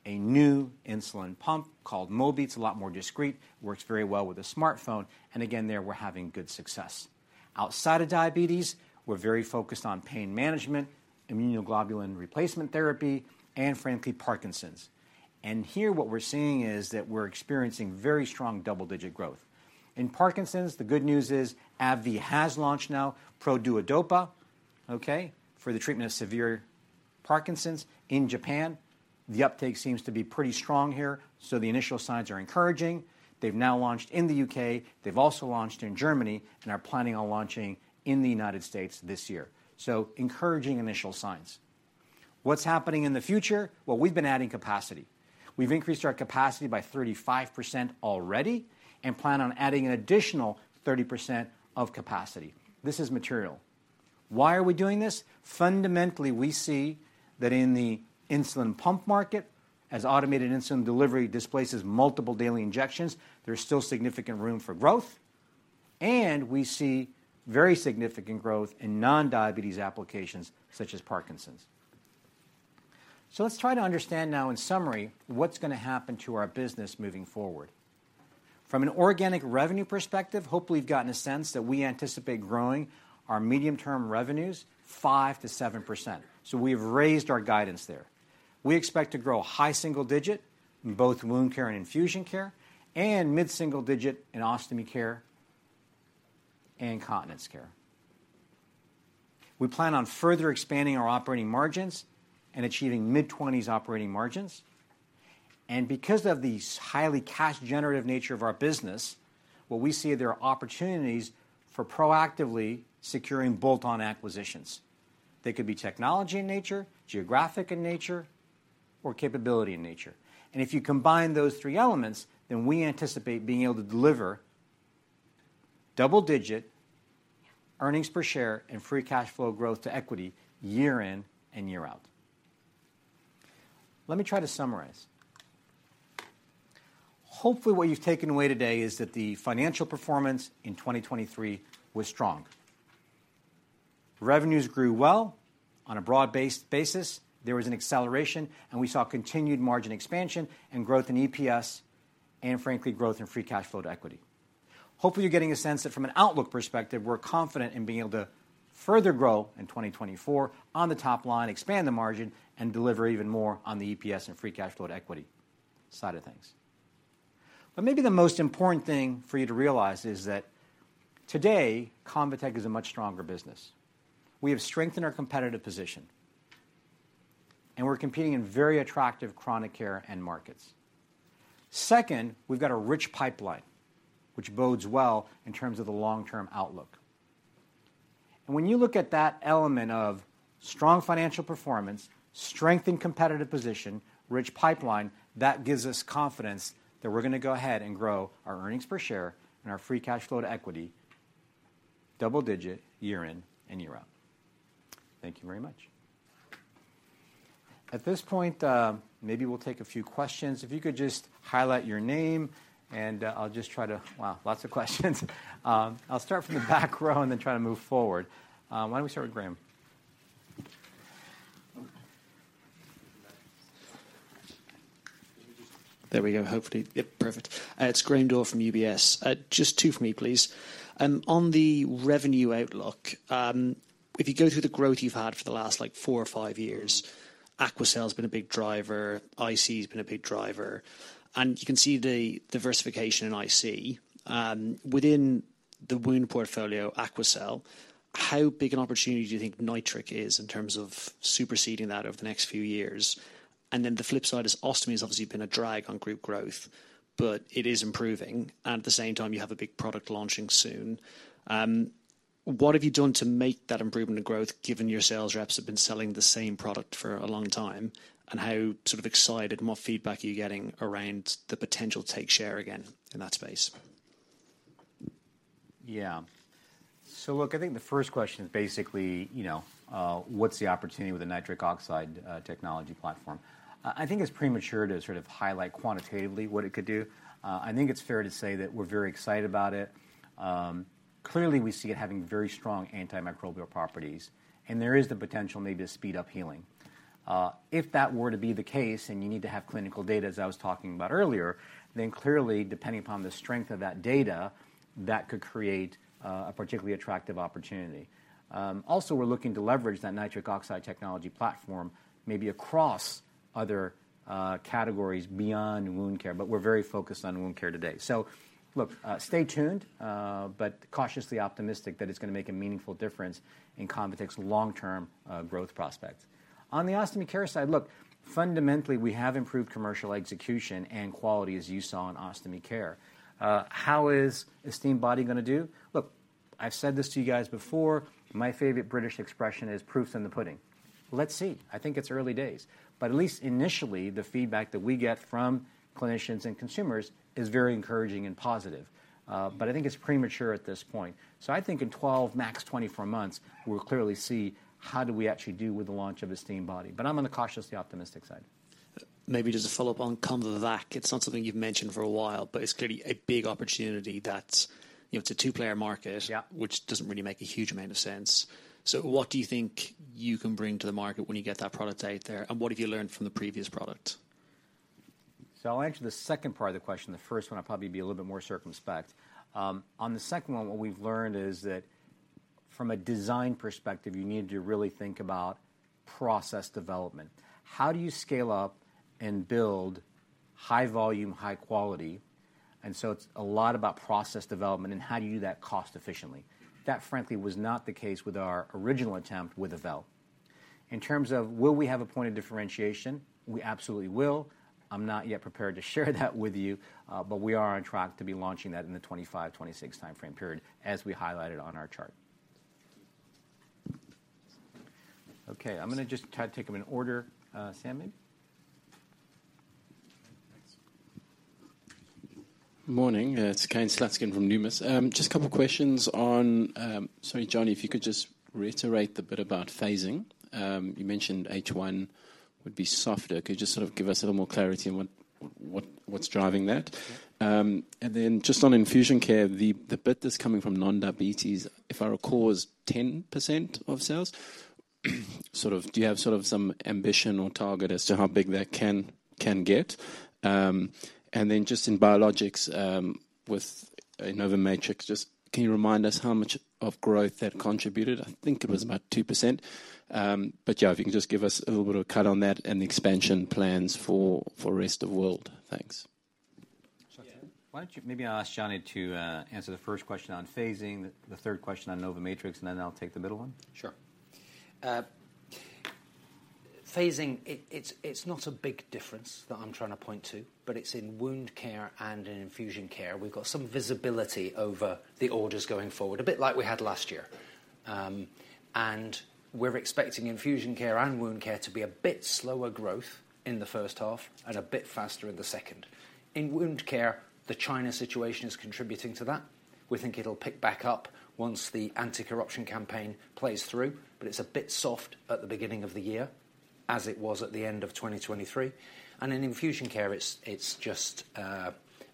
a new insulin pump called Mobi. It's a lot more discreet. Works very well with a smartphone. And again, there, we're having good success. Outside of diabetes, we're very focused on pain management, immunoglobulin replacement therapy, and frankly, Parkinson's. And here, what we're seeing is that we're experiencing very strong double-digit growth. In Parkinson's, the good news is AbbVie has launched now Produodopa, okay, for the treatment of severe Parkinson's. In Japan, the uptake seems to be pretty strong here. So the initial signs are encouraging. They've now launched in the U.K. They've also launched in Germany. And are planning on launching in the United States this year. So encouraging initial signs. What's happening in the future? Well, we've been adding capacity. We've increased our capacity by 35% already and plan on adding an additional 30% of capacity. This is material. Why are we doing this? Fundamentally, we see that in the insulin pump market, as automated insulin delivery displaces multiple daily injections, there's still significant room for growth. And we see very significant growth in non-diabetes applications such as Parkinson's. So let's try to understand now, in summary, what's going to happen to our business moving forward. From an organic revenue perspective, hopefully, you've gotten a sense that we anticipate growing our medium-term revenues 5%-7%. So we have raised our guidance there. We expect to grow high single-digit in both Wound Care and Infusion Care and mid-single-digit in ostomy care and continence care. We plan on further expanding our operating margins and achieving mid-20s operating margins. And because of the highly cash-generative nature of our business, what we see are there are opportunities for proactively securing bolt-on acquisitions. They could be technology in nature, geographic in nature, or capability in nature. If you combine those three elements, then we anticipate being able to deliver double-digit earnings per share and free cash flow growth to equity year in and year out. Let me try to summarize. Hopefully, what you've taken away today is that the financial performance in 2023 was strong. Revenues grew well on a broad-based basis. There was an acceleration. We saw continued margin expansion and growth in EPS and frankly, growth in free cash flow to equity. Hopefully, you're getting a sense that from an outlook perspective, we're confident in being able to further grow in 2024 on the top line, expand the margin, and deliver even more on the EPS and free cash flow to equity side of things. But maybe the most important thing for you to realize is that today, ConvaTec is a much stronger business. We have strengthened our competitive position. And we're competing in very attractive chronic care and markets. Second, we've got a rich pipeline, which bodes well in terms of the long-term outlook. And when you look at that element of strong financial performance, strengthened competitive position, rich pipeline, that gives us confidence that we're going to go ahead and grow our earnings per share and our free cash flow to equity double-digit year in and year out. Thank you very much. At this point, maybe we'll take a few questions. If you could just highlight your name. And I'll just try to wow, lots of questions. I'll start from the back row and then try to move forward. Why don't we start with Graham? There we go. Hopefully yep, perfect. It's Graham Doyle from UBS. Just two for me, please. On the revenue outlook, if you go through the growth you've had for the last four or five years, AQUACEL has been a big driver. IC has been a big driver. And you can see the diversification in IC. Within the wound portfolio, AQUACEL, how big an opportunity do you think Nitric is in terms of superseding that over the next few years? And then the flip side is ostomy has obviously been a drag on group growth. But it is improving. And at the same time, you have a big product launching soon. What have you done to make that improvement in growth, given your sales reps have been selling the same product for a long time? How sort of excited and what feedback are you getting around the potential take share again in that space? Yeah. So look, I think the first question is basically, what's the opportunity with the nitric oxide technology platform? I think it's premature to sort of highlight quantitatively what it could do. I think it's fair to say that we're very excited about it. Clearly, we see it having very strong antimicrobial properties. And there is the potential maybe to speed up healing. If that were to be the case and you need to have clinical data, as I was talking about earlier, then clearly, depending upon the strength of that data, that could create a particularly attractive opportunity. Also, we're looking to leverage that nitric oxide technology platform maybe across other categories beyond Wound Care. But we're very focused on Wound Care today. So look, stay tuned but cautiously optimistic that it's going to make a meaningful difference in ConvaTec's long-term growth prospects. On the Ostomy Care side, look, fundamentally, we have improved commercial execution and quality, as you saw, in Ostomy Care. How is Esteem Body going to do? Look, I've said this to you guys before. My favorite British expression is, "Proof's in the pudding." Let's see. I think it's early days. But at least initially, the feedback that we get from clinicians and consumers is very encouraging and positive. But I think it's premature at this point. So I think in 12, max 24 months, we'll clearly see, how do we actually do with the launch of Esteem Body? But I'm on the cautiously optimistic side. Maybe just a follow-up on ConvaVac. It's not something you've mentioned for a while. But it's clearly a big opportunity that's a two-player market, which doesn't really make a huge amount of sense. So what do you think you can bring to the market when you get that product out there? And what have you learned from the previous product? So I'll answer the second part of the question. The first one, I'll probably be a little bit more circumspect. On the second one, what we've learned is that from a design perspective, you need to really think about process development. How do you scale up and build high volume, high quality? And so it's a lot about process development. And how do you do that cost efficiently? That, frankly, was not the case with our original attempt with Avelle. In terms of, will we have a point of differentiation? We absolutely will. I'm not yet prepared to share that with you. But we are on track to be launching that in the 2025, 2026 time frame period, as we highlighted on our chart. OK, I'm going to just try to take them in order. Sam, maybe? Thanks. Good morning. It's Kane Slutzkin from Numis. Just a couple of questions on—sorry, Jonny, if you could just reiterate the bit about phasing. You mentioned H1 would be softer. Could you just sort of give us a little more clarity on what's driving that? And then just on Infusion Care, the bit that's coming from non-diabetes, if I recall, is 10% of sales. Sort of do you have sort of some ambition or target as to how big that can get? And then just in biologics with InnovaMatrix, just can you remind us how much of growth that contributed? I think it was about 2%. But yeah, if you can just give us a little bit of a cut on that and the expansion plans for the rest of the world. Thanks. Why don't you maybe I'll ask Jonny to answer the first question on phasing, the third question on InnovaMatrix, and then I'll take the middle one? Sure. Phasing, it's not a big difference that I'm trying to point to. But it's in Wound Care and in Infusion Care. We've got some visibility over the orders going forward, a bit like we had last year. And we're expecting Infusion Care and Wound Care to be a bit slower growth in the first half and a bit faster in the second. In Wound Care, the China situation is contributing to that. We think it'll pick back up once the anti-corruption campaign plays through. But it's a bit soft at the beginning of the year as it was at the end of 2023. And in Infusion Care, it's just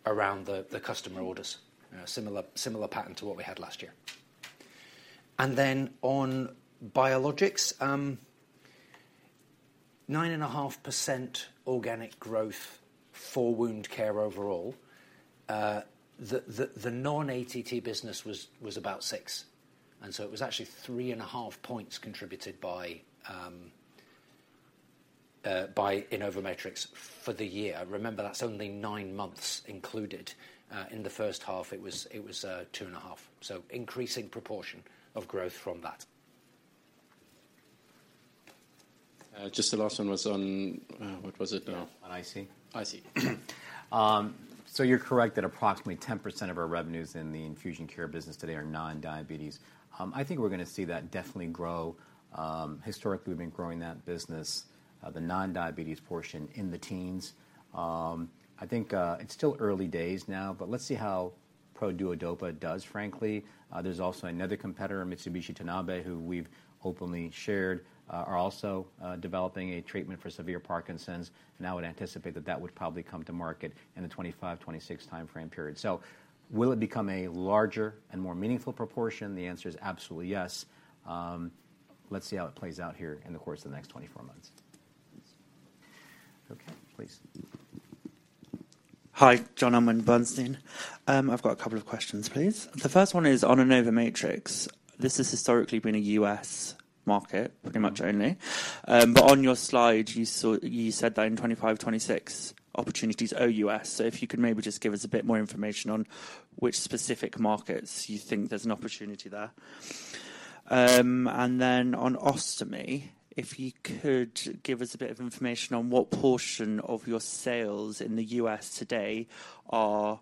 around the customer orders, similar pattern to what we had last year. And then on biologics, 9.5% organic growth for Wound Care overall. The non-ATT business was about 6%. It was actually 3.5 points contributed by InnovaMatrix for the year. Remember, that's only 9 months included. In the first half, it was 2.5. Increasing proportion of growth from that. Just the last one was on what was it now? On IC. IC. So you're correct that approximately 10% of our revenues in the Infusion Care business today are non-diabetes. I think we're going to see that definitely grow. Historically, we've been growing that business, the non-diabetes portion, in the teens. I think it's still early days now. But let's see how Produodopa does, frankly. There's also another competitor, Mitsubishi Tanabe, who we've openly shared, are also developing a treatment for severe Parkinson's. Now, I would anticipate that that would probably come to market in the 2025, 2026 time frame period. So will it become a larger and more meaningful proportion? The answer is absolutely yes. Let's see how it plays out here in the course of the next 24 months. OK, please. Hi, Jonny, Mason. I've got a couple of questions, please. The first one is on InnovaMatrix. This has historically been a U.S. market pretty much only. But on your slide, you said that in 2025, 2026, opportunities outside U.S. So if you could maybe just give us a bit more information on which specific markets you think there's an opportunity there. And then on ostomy, if you could give us a bit of information on what portion of your sales in the U.S. today are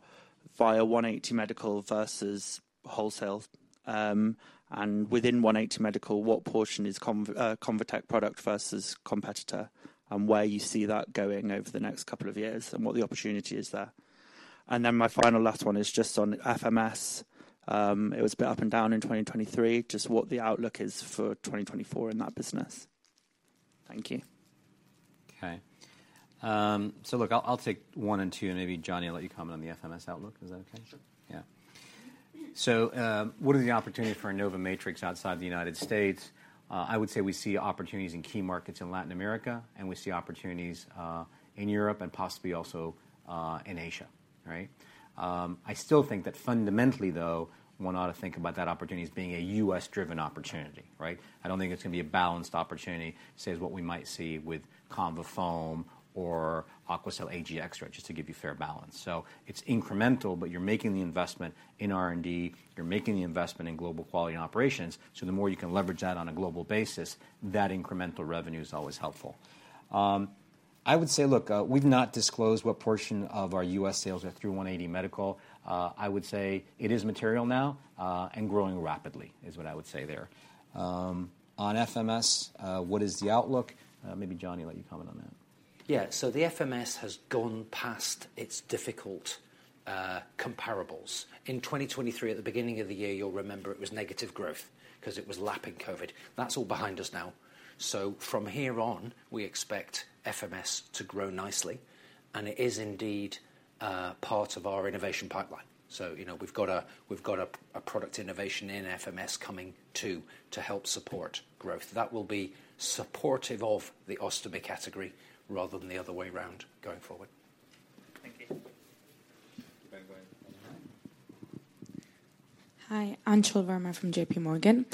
via 180 Medical versus wholesale. And within 180 Medical, what portion is ConvaTec product versus competitor and where you see that going over the next couple of years and what the opportunity is there. And then my final last one is just on FMS. It was a bit up and down in 2023, just what the outlook is for 2024 in that business. Thank you. OK. So look, I'll take one and two. And maybe, Jonny, I'll let you comment on the FMS outlook. Is that OK? Sure. Yeah. So what are the opportunities for InnovaMatrix outside the United States? I would say we see opportunities in key markets in Latin America. And we see opportunities in Europe and possibly also in Asia. I still think that fundamentally, though, one ought to think about that opportunity as being a US-driven opportunity. I don't think it's going to be a balanced opportunity, say, as what we might see with ConvaFoam or AQUACEL Ag+ Extra, just to give you fair balance. So it's incremental. But you're making the investment in R&D. You're making the investment in global quality and operations. So the more you can leverage that on a global basis, that incremental revenue is always helpful. I would say, look, we've not disclosed what portion of our US sales are through 180 Medical. I would say it is material now and growing rapidly is what I would say there. On FMS, what is the outlook? Maybe, Jonny, I'll let you comment on that. Yeah. So the FMS has gone past its difficult comparables. In 2023, at the beginning of the year, you'll remember it was negative growth because it was lapping COVID. That's all behind us now. So from here on, we expect FMS to grow nicely. And it is indeed part of our innovation pipeline. So we've got a product innovation in FMS coming too to help support growth. That will be supportive of the ostomy category rather than the other way around going forward. Thank you. Hi. I'm Anchal Verma from JPMorgan.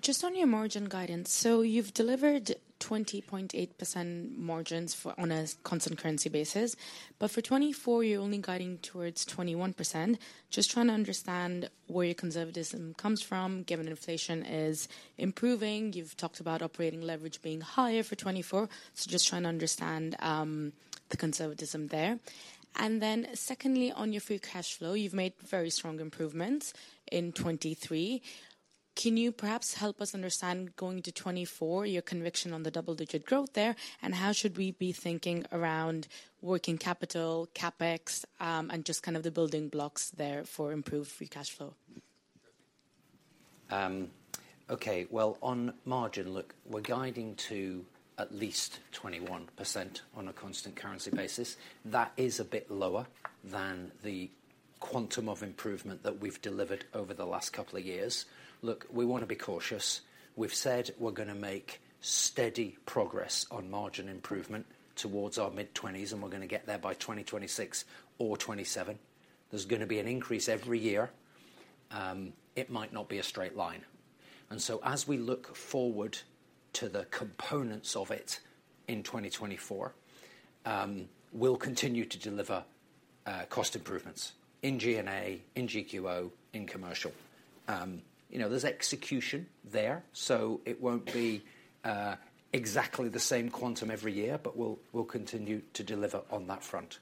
Just on your margin guidance, so you've delivered 20.8% margins on a constant currency basis. But for 2024, you're only guiding towards 21%, just trying to understand where your conservatism comes from, given inflation is improving. You've talked about operating leverage being higher for 2024. So just trying to understand the conservatism there. And then secondly, on your free cash flow, you've made very strong improvements in 2023. Can you perhaps help us understand, going to 2024, your conviction on the double-digit growth there? And how should we be thinking around working capital, CapEx, and just kind of the building blocks there for improved free cash flow? OK, well, on margin, look, we're guiding to at least 21% on a constant currency basis. That is a bit lower than the quantum of improvement that we've delivered over the last couple of years. Look, we want to be cautious. We've said we're going to make steady progress on margin improvement towards our mid-20s. And we're going to get there by 2026 or 2027. There's going to be an increase every year. It might not be a straight line. And so as we look forward to the components of it in 2024, we'll continue to deliver cost improvements in G&A, in COGS, in commercial. There's execution there. So it won't be exactly the same quantum every year. But we'll continue to deliver on that front.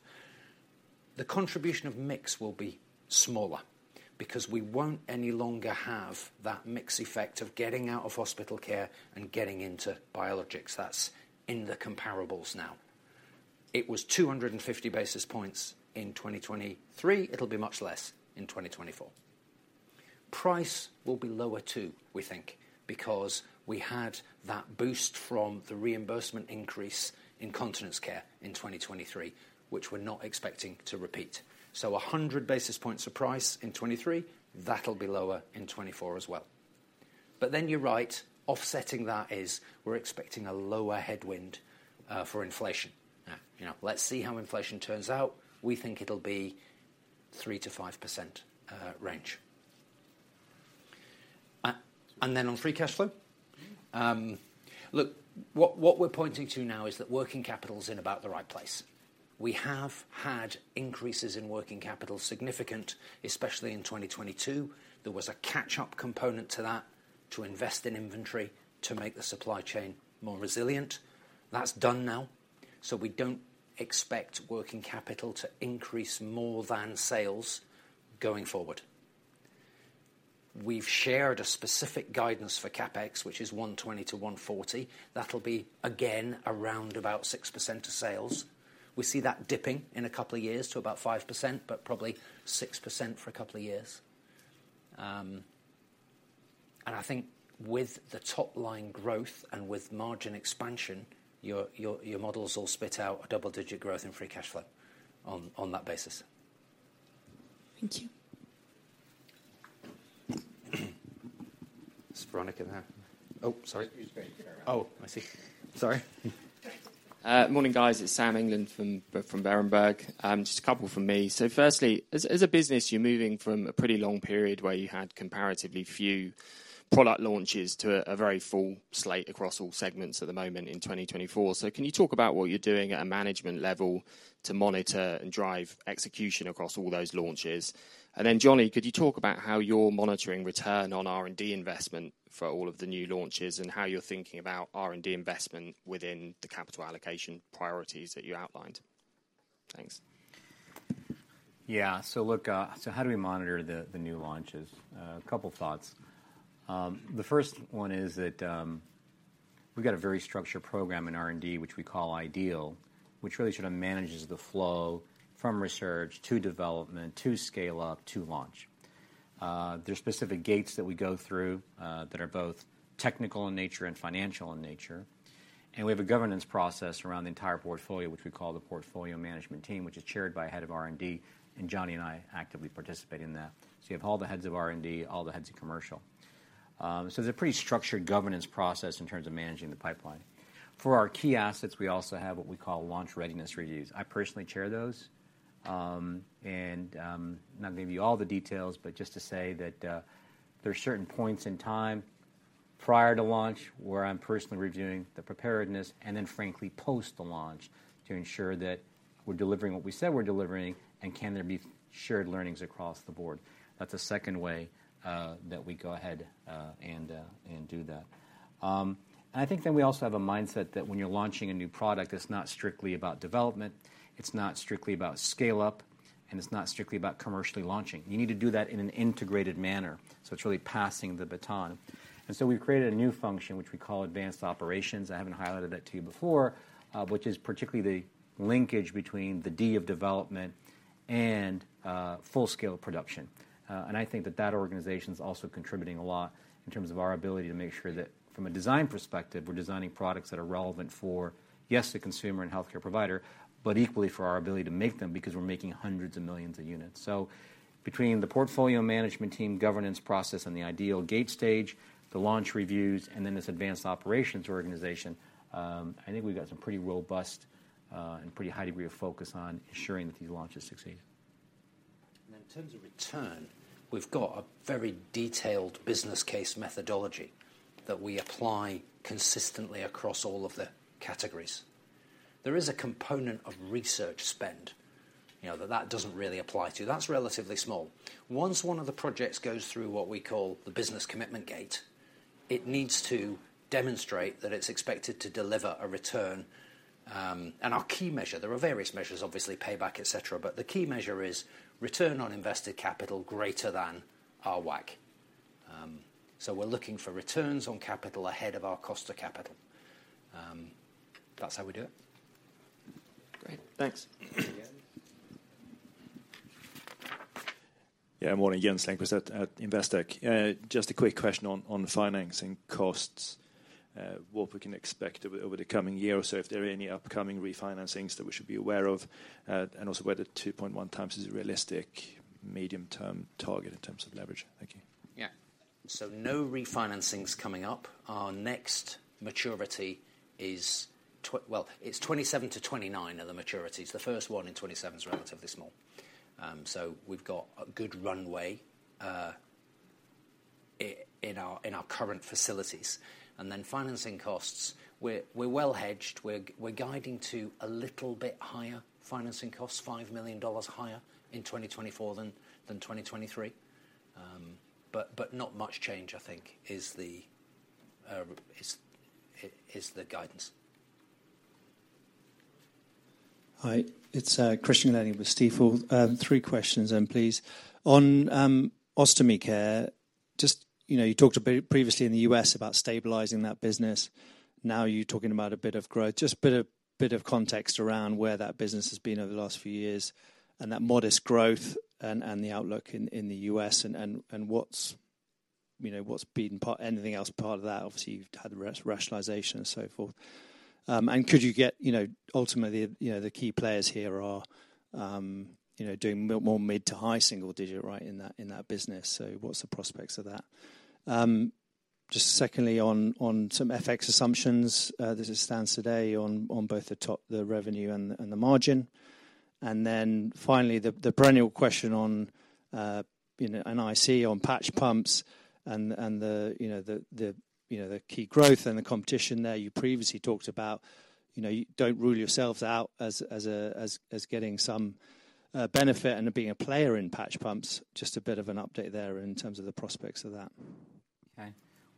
The contribution of mix will be smaller because we won't any longer have that mix effect of getting out of hospital care and getting into Biologics. That's in the comparables now. It was 250 basis points in 2023. It'll be much less in 2024. Price will be lower too, we think, because we had that boost from the reimbursement increase in Continence Care in 2023, which we're not expecting to repeat. So 100 basis points of price in 2023, that'll be lower in 2024 as well. But then you're right. Offsetting that is, we're expecting a lower headwind for inflation. Let's see how inflation turns out. We think it'll be 3%-5% range. And then on free cash flow, look, what we're pointing to now is that working capital is in about the right place. We have had increases in working capital, significant, especially in 2022. There was a catch-up component to that, to invest in inventory, to make the supply chain more resilient. That's done now. We don't expect working capital to increase more than sales going forward. We've shared a specific guidance for CapEx, which is 120%-140%. That'll be, again, around about 6% of sales. We see that dipping in a couple of years to about 5% but probably 6% for a couple of years. I think with the top-line growth and with margin expansion, your models will spit out a double-digit growth in free cash flow on that basis. Thank you. Is Veronika in there? Oh, sorry. She's going to carry around. Oh, I see. Sorry. Morning, guys. It's Sam England from Berenberg. Just a couple from me. So firstly, as a business, you're moving from a pretty long period where you had comparatively few product launches to a very full slate across all segments at the moment in 2024. So can you talk about what you're doing at a management level to monitor and drive execution across all those launches? And then, Jonny, could you talk about how you're monitoring return on R&D investment for all of the new launches and how you're thinking about R&D investment within the capital allocation priorities that you outlined? Thanks. Yeah, so look, so how do we monitor the new launches? A couple of thoughts. The first one is that we've got a very structured program in R&D, which we call IDEAL, which really sort of manages the flow from research to development to scale up to launch. There are specific gates that we go through that are both technical in nature and financial in nature. We have a governance process around the entire portfolio, which we call the Portfolio Management Team, which is chaired by a head of R&D. Jonny and I actively participate in that. You have all the heads of R&D, all the heads of commercial. There's a pretty structured governance process in terms of managing the pipeline. For our key assets, we also have what we call launch readiness reviews. I personally chair those. And I'm not going to give you all the details. But just to say that there are certain points in time prior to launch where I'm personally reviewing the preparedness and then, frankly, post the launch to ensure that we're delivering what we said we're delivering. And can there be shared learnings across the board? That's a second way that we go ahead and do that. And I think then we also have a mindset that when you're launching a new product, it's not strictly about development. It's not strictly about scale up. And it's not strictly about commercially launching. You need to do that in an integrated manner. So it's really passing the baton. And so we've created a new function, which we call Advanced Operations. I haven't highlighted that to you before, which is particularly the linkage between the D of development and full-scale production. I think that that organization is also contributing a lot in terms of our ability to make sure that, from a design perspective, we're designing products that are relevant for, yes, the consumer and health care provider, but equally for our ability to make them because we're making hundreds of millions of units. So between the Portfolio Management Team governance process and the IDEAL gate stage, the launch reviews, and then this Advanced Operations organization, I think we've got some pretty robust and pretty high degree of focus on ensuring that these launches succeed. In terms of return, we've got a very detailed business case methodology that we apply consistently across all of the categories. There is a component of research spend that doesn't really apply to. That's relatively small. Once one of the projects goes through what we call the business commitment gate, it needs to demonstrate that it's expected to deliver a return. Our key measure there are various measures, obviously, payback, et cetera. The key measure is return on invested capital greater than our WACC. We're looking for returns on capital ahead of our cost of capital. That's how we do it. Great. Thanks. Yeah, morning. Jens Lindqvist at Investec. Just a quick question on finance and costs, what we can expect over the coming year or so, if there are any upcoming refinancings that we should be aware of, and also whether 2.1x is a realistic medium-term target in terms of leverage. Thank you. Yeah. So no refinancings coming up. Our next maturity is well, it's 2027-2029 are the maturities. The first one in 2027 is relatively small. So we've got a good runway in our current facilities. And then financing costs, we're well hedged. We're guiding to a little bit higher financing costs, $5 million higher in 2024 than 2023. But not much change, I think, is the guidance. Hi. It's Christian Glennie with Stifel. Three questions then, please. On ostomy care, just you talked previously in the US about stabilizing that business. Now you're talking about a bit of growth. Just a bit of context around where that business has been over the last few years and that modest growth and the outlook in the US and what's been anything else part of that. Obviously, you've had the rationalization and so forth. And could you get ultimately, the key players here are doing more mid- to high-single-digit in that business. So what's the prospects of that? Just secondly, on some FX assumptions, this is spot rates today on both the revenue and the margin. And then finally, the perennial question on and I see on patch pumps and the key growth and the competition there you previously talked about. Don't rule yourselves out as getting some benefit and being a player in patch pumps. Just a bit of an update there in terms of the prospects of that. OK.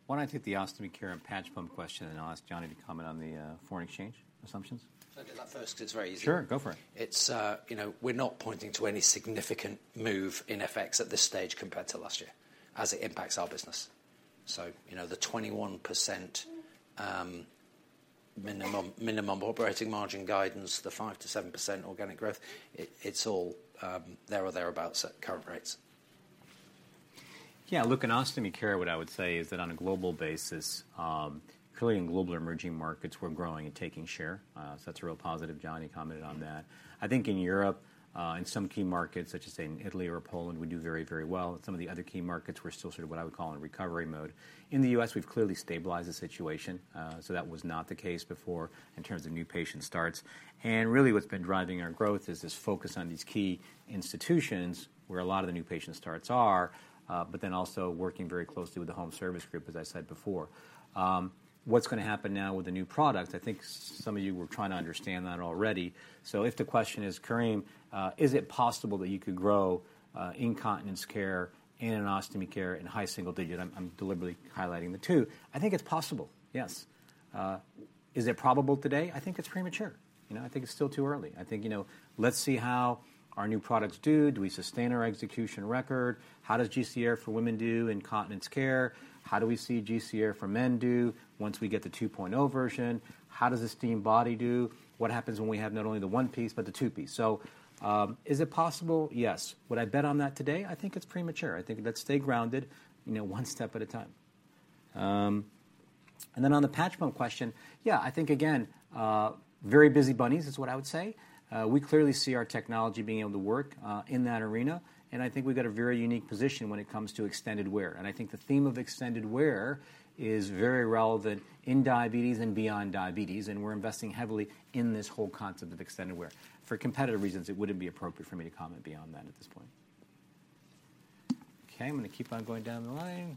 Why don't I take the Ostomy Care and patch pump question? And I'll ask Jonny to comment on the foreign exchange assumptions. I'll get that first because it's very easy. Sure. Go for it. We're not pointing to any significant move in FX at this stage compared to last year as it impacts our business. So the 21% minimum operating margin guidance, the 5%-7% organic growth, it's all there or thereabouts at current rates. Yeah, look, in ostomy care, what I would say is that, on a global basis, clearly, in global emerging markets, we're growing and taking share. So that's a real positive. Jonny commented on that. I think, in Europe, in some key markets, such as, say, in Italy or Poland, we do very, very well. Some of the other key markets, we're still sort of what I would call in recovery mode. In the U.S., we've clearly stabilized the situation. So that was not the case before in terms of new patient starts. And really, what's been driving our growth is this focus on these key institutions where a lot of the new patient starts are but then also working very closely with the Home Services Group, as I said before. What's going to happen now with the new products? I think some of you were trying to understand that already. So if the question is, Karim, is it possible that you could grow Continence Care and Ostomy Care in high single digits? I'm deliberately highlighting the two. I think it's possible, yes. Is it probable today? I think it's premature. I think it's still too early. I think let's see how our new products do. Do we sustain our execution record? How does GentleCath Air for women do in Continence Care? How do we see GentleCath for men do once we get the 2.0 version? How does Esteem Body do? What happens when we have not only the one piece but the two piece? So is it possible? Yes. Would I bet on that today? I think it's premature. I think let's stay grounded one step at a time. And then on the patch pump question, yeah, I think, again, very busy bunnies is what I would say. We clearly see our technology being able to work in that arena. I think we've got a very unique position when it comes to extended wear. I think the theme of extended wear is very relevant in diabetes and beyond diabetes. We're investing heavily in this whole concept of extended wear. For competitive reasons, it wouldn't be appropriate for me to comment beyond that at this point. OK, I'm going to keep on going down the line.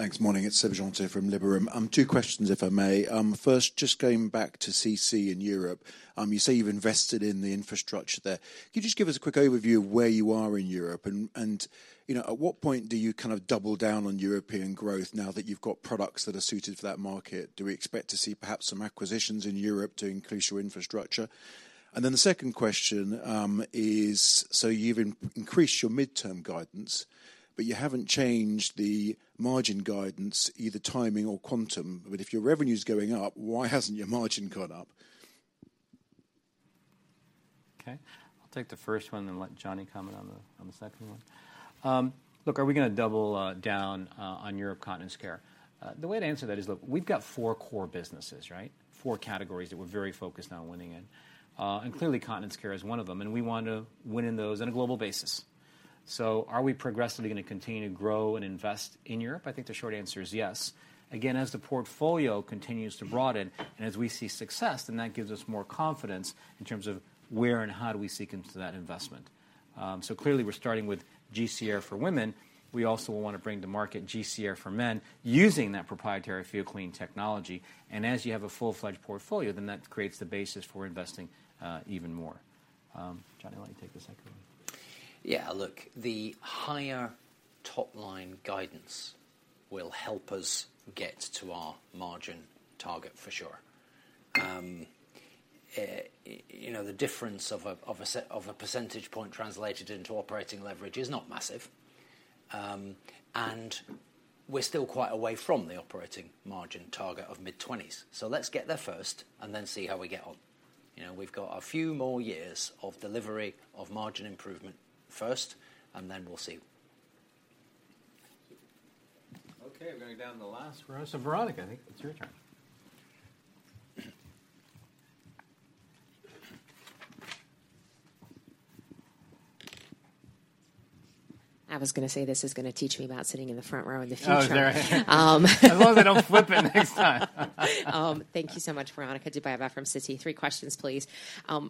Thanks. Morning. It's Seb Jantet from Liberum. Two questions, if I may. First, just going back to CC in Europe, you say you've invested in the infrastructure there. Could you just give us a quick overview of where you are in Europe? And at what point do you kind of double down on European growth now that you've got products that are suited for that market? Do we expect to see perhaps some acquisitions in Europe to increase your infrastructure? And then the second question is, so you've increased your mid-term guidance. But you haven't changed the margin guidance, either timing or quantum. But if your revenue is going up, why hasn't your margin gone up? OK. I'll take the first one and let Jonny comment on the second one. Look, are we going to double down on Europe Continence Care? The way to answer that is, look, we've got four core businesses, right, four categories that we're very focused on winning in. And clearly, Continence Care is one of them. And we want to win in those on a global basis. So are we progressively going to continue to grow and invest in Europe? I think the short answer is yes, again, as the portfolio continues to broaden and as we see success. And that gives us more confidence in terms of where and how do we seek into that investment. So clearly, we're starting with GentleCath Air for women. We also will want to bring to market GentleCath Air for men using that proprietary FeelClean technology. As you have a full-fledged portfolio, then that creates the basis for investing even more. Jonny, I'll let you take the second one. Yeah, look, the higher top-line guidance will help us get to our margin target, for sure. The difference of a percentage point translated into operating leverage is not massive. And we're still quite away from the operating margin target of mid-20s. So let's get there first and then see how we get on. We've got a few more years of delivery of margin improvement first. And then we'll see. OK, we're going down the last row. Veronika, I think it's your turn. I was going to say this is going to teach me about sitting in the front row in the future. Oh, there I am. As long as I don't flip it next time. Thank you so much, Veronika. Veronika Dubajova from Citi. Three questions, please.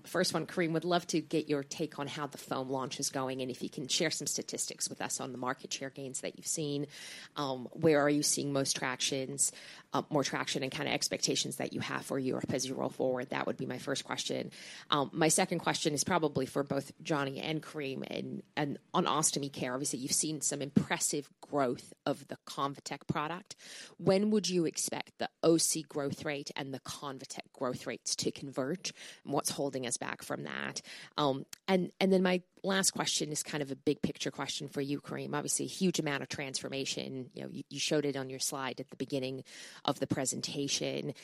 First one, Karim, would love to get your take on how the foam launch is going. And if you can share some statistics with us on the market share gains that you've seen, where are you seeing most traction, more traction, and kind of expectations that you have for Europe as you roll forward? That would be my first question. My second question is probably for both Jonny and Karim. And on ostomy care, obviously, you've seen some impressive growth of the ConvaTec product. When would you expect the OC growth rate and the ConvaTec growth rates to converge? And what's holding us back from that? And then my last question is kind of a big picture question for you, Karim. Obviously, a huge amount of transformation. You showed it on your slide at the beginning of the presentation.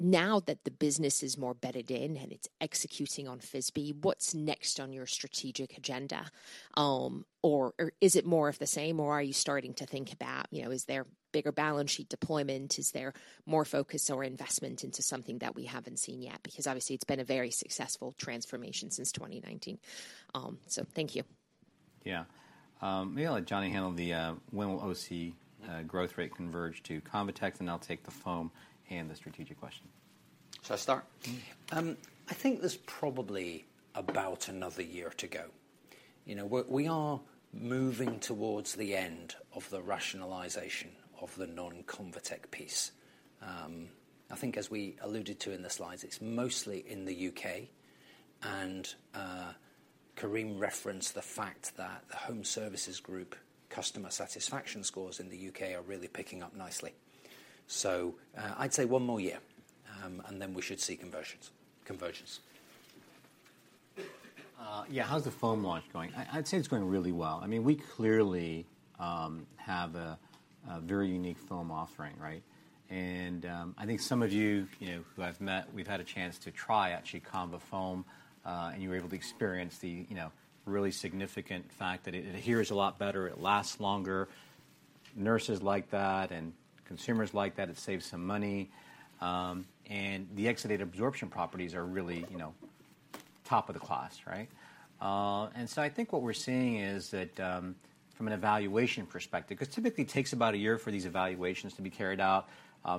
Now that the business is more bedded in and it's executing on FSBE, what's next on your strategic agenda? Or is it more of the same? Or are you starting to think about, is there bigger balance sheet deployment? Is there more focus or investment into something that we haven't seen yet? Because, obviously, it's been a very successful transformation since 2019. Thank you. Yeah. Maybe I'll let Jonny handle the when will OC growth rate converge to ConvaTec. Then I'll take the foam and the strategic question. Shall I start? I think there's probably about another year to go. We are moving towards the end of the rationalization of the non-ConvaTec piece. I think, as we alluded to in the slides, it's mostly in the UK. Karim referenced the fact that the Home Services Group customer satisfaction scores in the UK are really picking up nicely. I'd say one more year. Then we should see conversions. Yeah, how's the foam launch going? I'd say it's going really well. I mean, we clearly have a very unique foam offering, right? I think some of you who I've met, we've had a chance to try, actually, ConvaFoam. And you were able to experience the really significant fact that it adheres a lot better. It lasts longer. Nurses like that. Consumers like that. It saves some money. And the exudate absorption properties are really top of the class, right? So I think what we're seeing is that, from an evaluation perspective, because typically, it takes about a year for these evaluations to be carried out,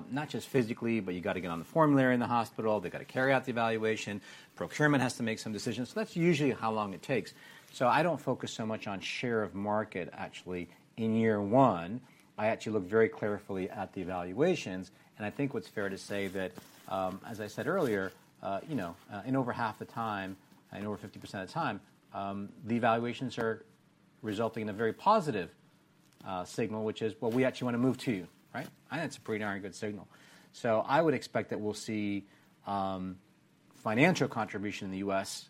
not just physically. You've got to get on the formulary in the hospital. They've got to carry out the evaluation. Procurement has to make some decisions. So that's usually how long it takes. So I don't focus so much on share of market, actually, in year one. I actually look very carefully at the evaluations. And I think what's fair to say that, as I said earlier, in over half the time, in over 50% of the time, the evaluations are resulting in a very positive signal, which is, well, we actually want to move to you, right? I think that's a pretty darn good signal. So I would expect that we'll see financial contribution in the U.S.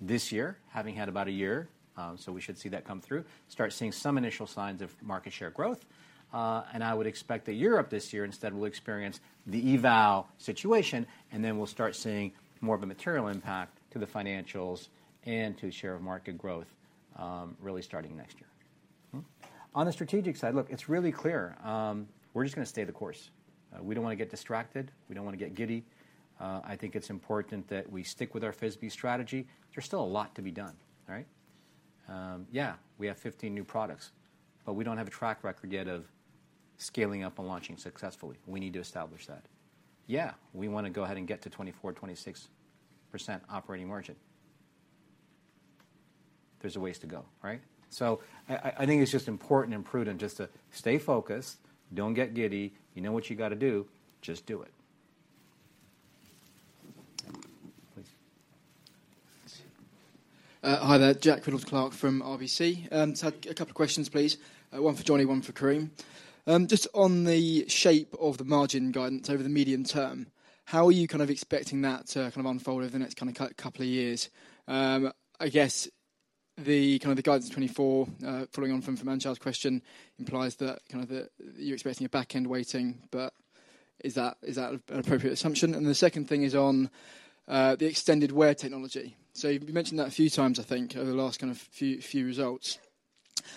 this year, having had about a year. So we should see that come through, start seeing some initial signs of market share growth. And I would expect that Europe this year, instead, will experience the eval situation. And then we'll start seeing more of a material impact to the financials and to share of market growth really starting next year. On the strategic side, look, it's really clear. We're just going to stay the course. We don't want to get distracted. We don't want to get giddy. I think it's important that we stick with our FISBE strategy. There's still a lot to be done, right? Yeah, we have 15 new products. But we don't have a track record yet of scaling up and launching successfully. We need to establish that. Yeah, we want to go ahead and get to 24%-26% operating margin. There's a ways to go, right? So I think it's just important and prudent just to stay focused. Don't get giddy. You know what you've got to do. Just do it. Hi. That's Jack Reynolds-Clark from RBC. Just had a couple of questions, please. One for Jonny. One for Karim. Just on the shape of the margin guidance over the medium term, how are you kind of expecting that to kind of unfold over the next kind of couple of years? I guess the kind of the guidance 2024, following on from Anchal's question, implies that kind of you're expecting a back-end weighting. But is that an appropriate assumption? And then the second thing is on the extended wear technology. So you mentioned that a few times, I think, over the last kind of few results.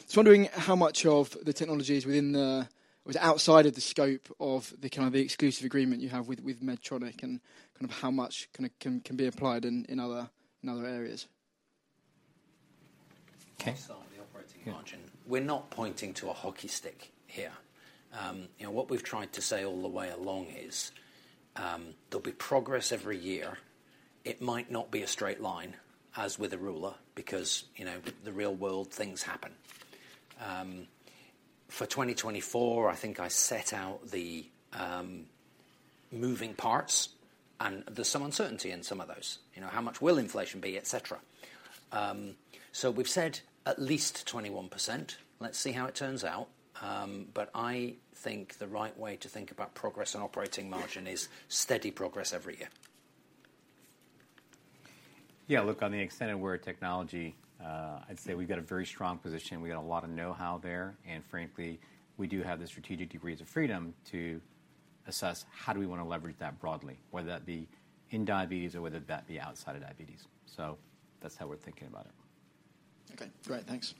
Just wondering how much of the technology is within the or is it outside of the scope of the kind of exclusive agreement you have with Medtronic? And kind of how much kind of can be applied in other areas? OK. So the operating margin, we're not pointing to a hockey stick here. What we've tried to say all the way along is there'll be progress every year. It might not be a straight line as with a ruler because the real world things happen. For 2024, I think I set out the moving parts. And there's some uncertainty in some of those, how much will inflation be, et cetera. So we've said at least 21%. Let's see how it turns out. But I think the right way to think about progress on operating margin is steady progress every year. Yeah, look, on the extent of where technology, I'd say we've got a very strong position. We've got a lot of know-how there. Frankly, we do have the strategic degrees of freedom to assess how do we want to leverage that broadly, whether that be in diabetes or whether that be outside of diabetes. That's how we're thinking about it. OK, great. Thanks.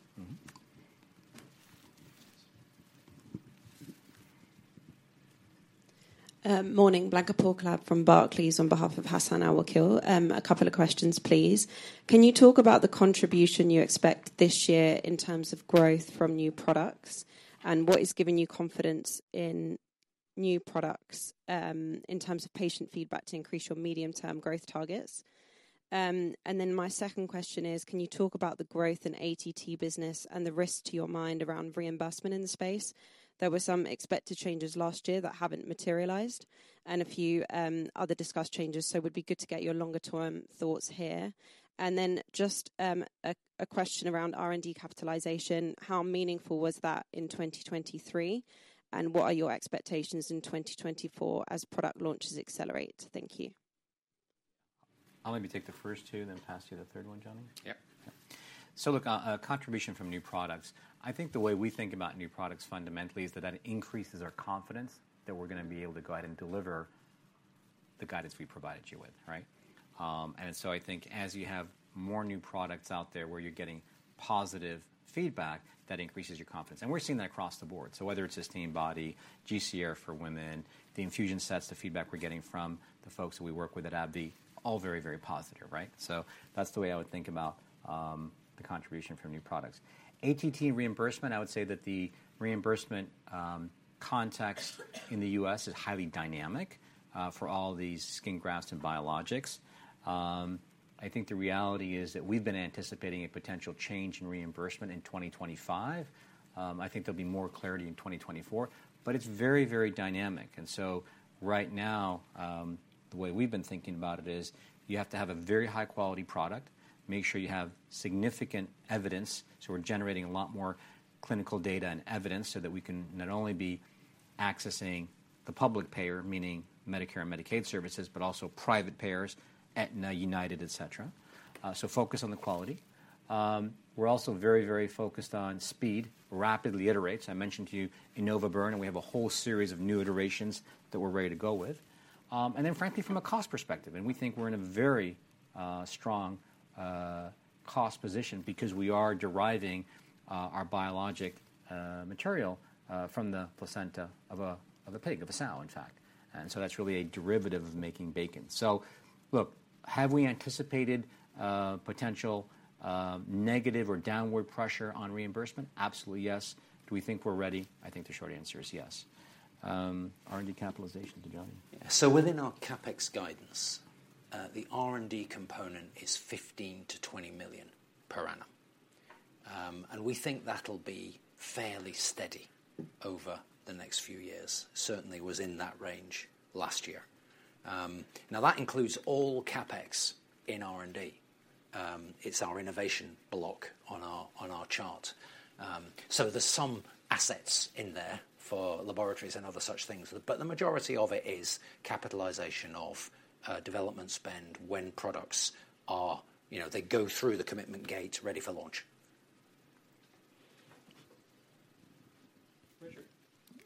Morning. Blanka Porkolab from Barclays on behalf of Hassan Al-Wakeel. A couple of questions, please. Can you talk about the contribution you expect this year in terms of growth from new products? What is giving you confidence in new products in terms of patient feedback to increase your medium-term growth targets? My second question is, can you talk about the growth in ATT business and the risks to your mind around reimbursement in the space? There were some expected changes last year that haven't materialized and a few other discussed changes. It would be good to get your longer-term thoughts here. Just a question around R&D capitalization. How meaningful was that in 2023? What are your expectations in 2024 as product launches accelerate? Thank you. I'll maybe take the first two and then pass you the third one, Jonny. Yep. So look, contribution from new products, I think the way we think about new products fundamentally is that that increases our confidence that we're going to be able to go ahead and deliver the guidance we provided you with, right? And so I think as you have more new products out there where you're getting positive feedback, that increases your confidence. And we're seeing that across the board. So whether it's this Esteem Body, GentleCath Air for women, the infusion sets, the feedback we're getting from the folks that we work with at AbbVie, all very, very positive, right? So that's the way I would think about the contribution from new products. ATT reimbursement, I would say that the reimbursement context in the U.S. is highly dynamic for all these skin grafts and biologics. I think the reality is that we've been anticipating a potential change in reimbursement in 2025. I think there'll be more clarity in 2024. But it's very, very dynamic. And so right now, the way we've been thinking about it is you have to have a very high-quality product, make sure you have significant evidence. So we're generating a lot more clinical data and evidence so that we can not only be accessing the public payer, meaning Medicare and Medicaid services, but also private payers, Aetna, United, et cetera. So focus on the quality. We're also very, very focused on speed. Rapidly iterates. I mentioned to you InnovaBurn. And we have a whole series of new iterations that we're ready to go with. And then, frankly, from a cost perspective, and we think we're in a very strong cost position because we are deriving our biologic material from the placenta of a pig, of a sow, in fact. And so that's really a derivative of making bacon. So look, have we anticipated potential negative or downward pressure on reimbursement? Absolutely, yes. Do we think we're ready? I think the short answer is yes. R&D capitalization to Jonny. So within our CapEx guidance, the R&D component is $15 million-$20 million per annum. We think that'll be fairly steady over the next few years. Certainly, it was in that range last year. Now, that includes all CapEx in R&D. It's our innovation block on our chart. There's some assets in there for laboratories and other such things. But the majority of it is capitalization of development spend when products are they go through the commitment gate ready for launch.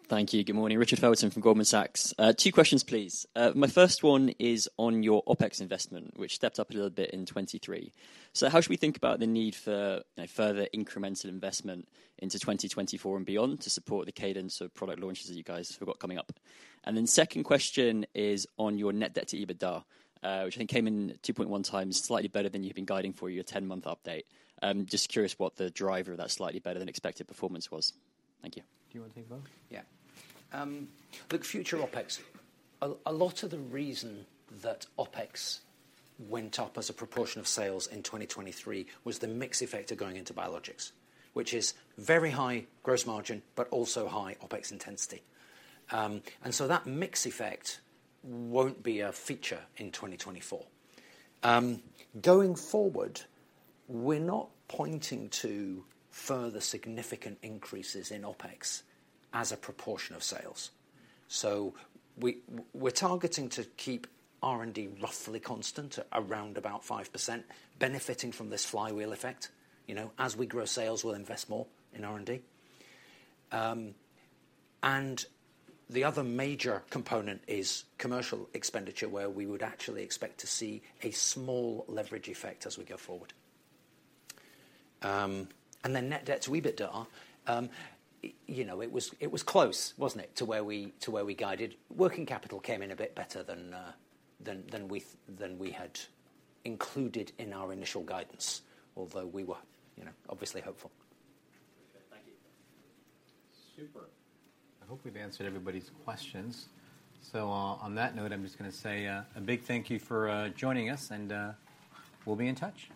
Richard. Thank you. Good morning. Richard Felton from Goldman Sachs. Two questions, please. My first one is on your OpEx investment, which stepped up a little bit in 2023. So how should we think about the need for further incremental investment into 2024 and beyond to support the cadence of product launches that you guys have got coming up? And then the second question is on your net debt to EBITDA, which I think came in 2.1 times, slightly better than you've been guiding for your 10-month update. Just curious what the driver of that slightly better than expected performance was. Thank you. Do you want to take both? Yeah. Look, future OpEx, a lot of the reason that OpEx went up as a proportion of sales in 2023 was the mix effect of going into biologics, which is very high gross margin but also high OpEx intensity. And so that mix effect won't be a feature in 2024. Going forward, we're not pointing to further significant increases in OpEx as a proportion of sales. So we're targeting to keep R&D roughly constant around about 5%, benefiting from this flywheel effect. As we grow sales, we'll invest more in R&D. And the other major component is commercial expenditure, where we would actually expect to see a small leverage effect as we go forward. And then net debt to EBITDA, it was close, wasn't it, to where we guided. Working capital came in a bit better than we had included in our initial guidance, although we were obviously hopeful. Thank you. Super. I hope we've answered everybody's questions. On that note, I'm just going to say a big thank you for joining us. We'll be in touch.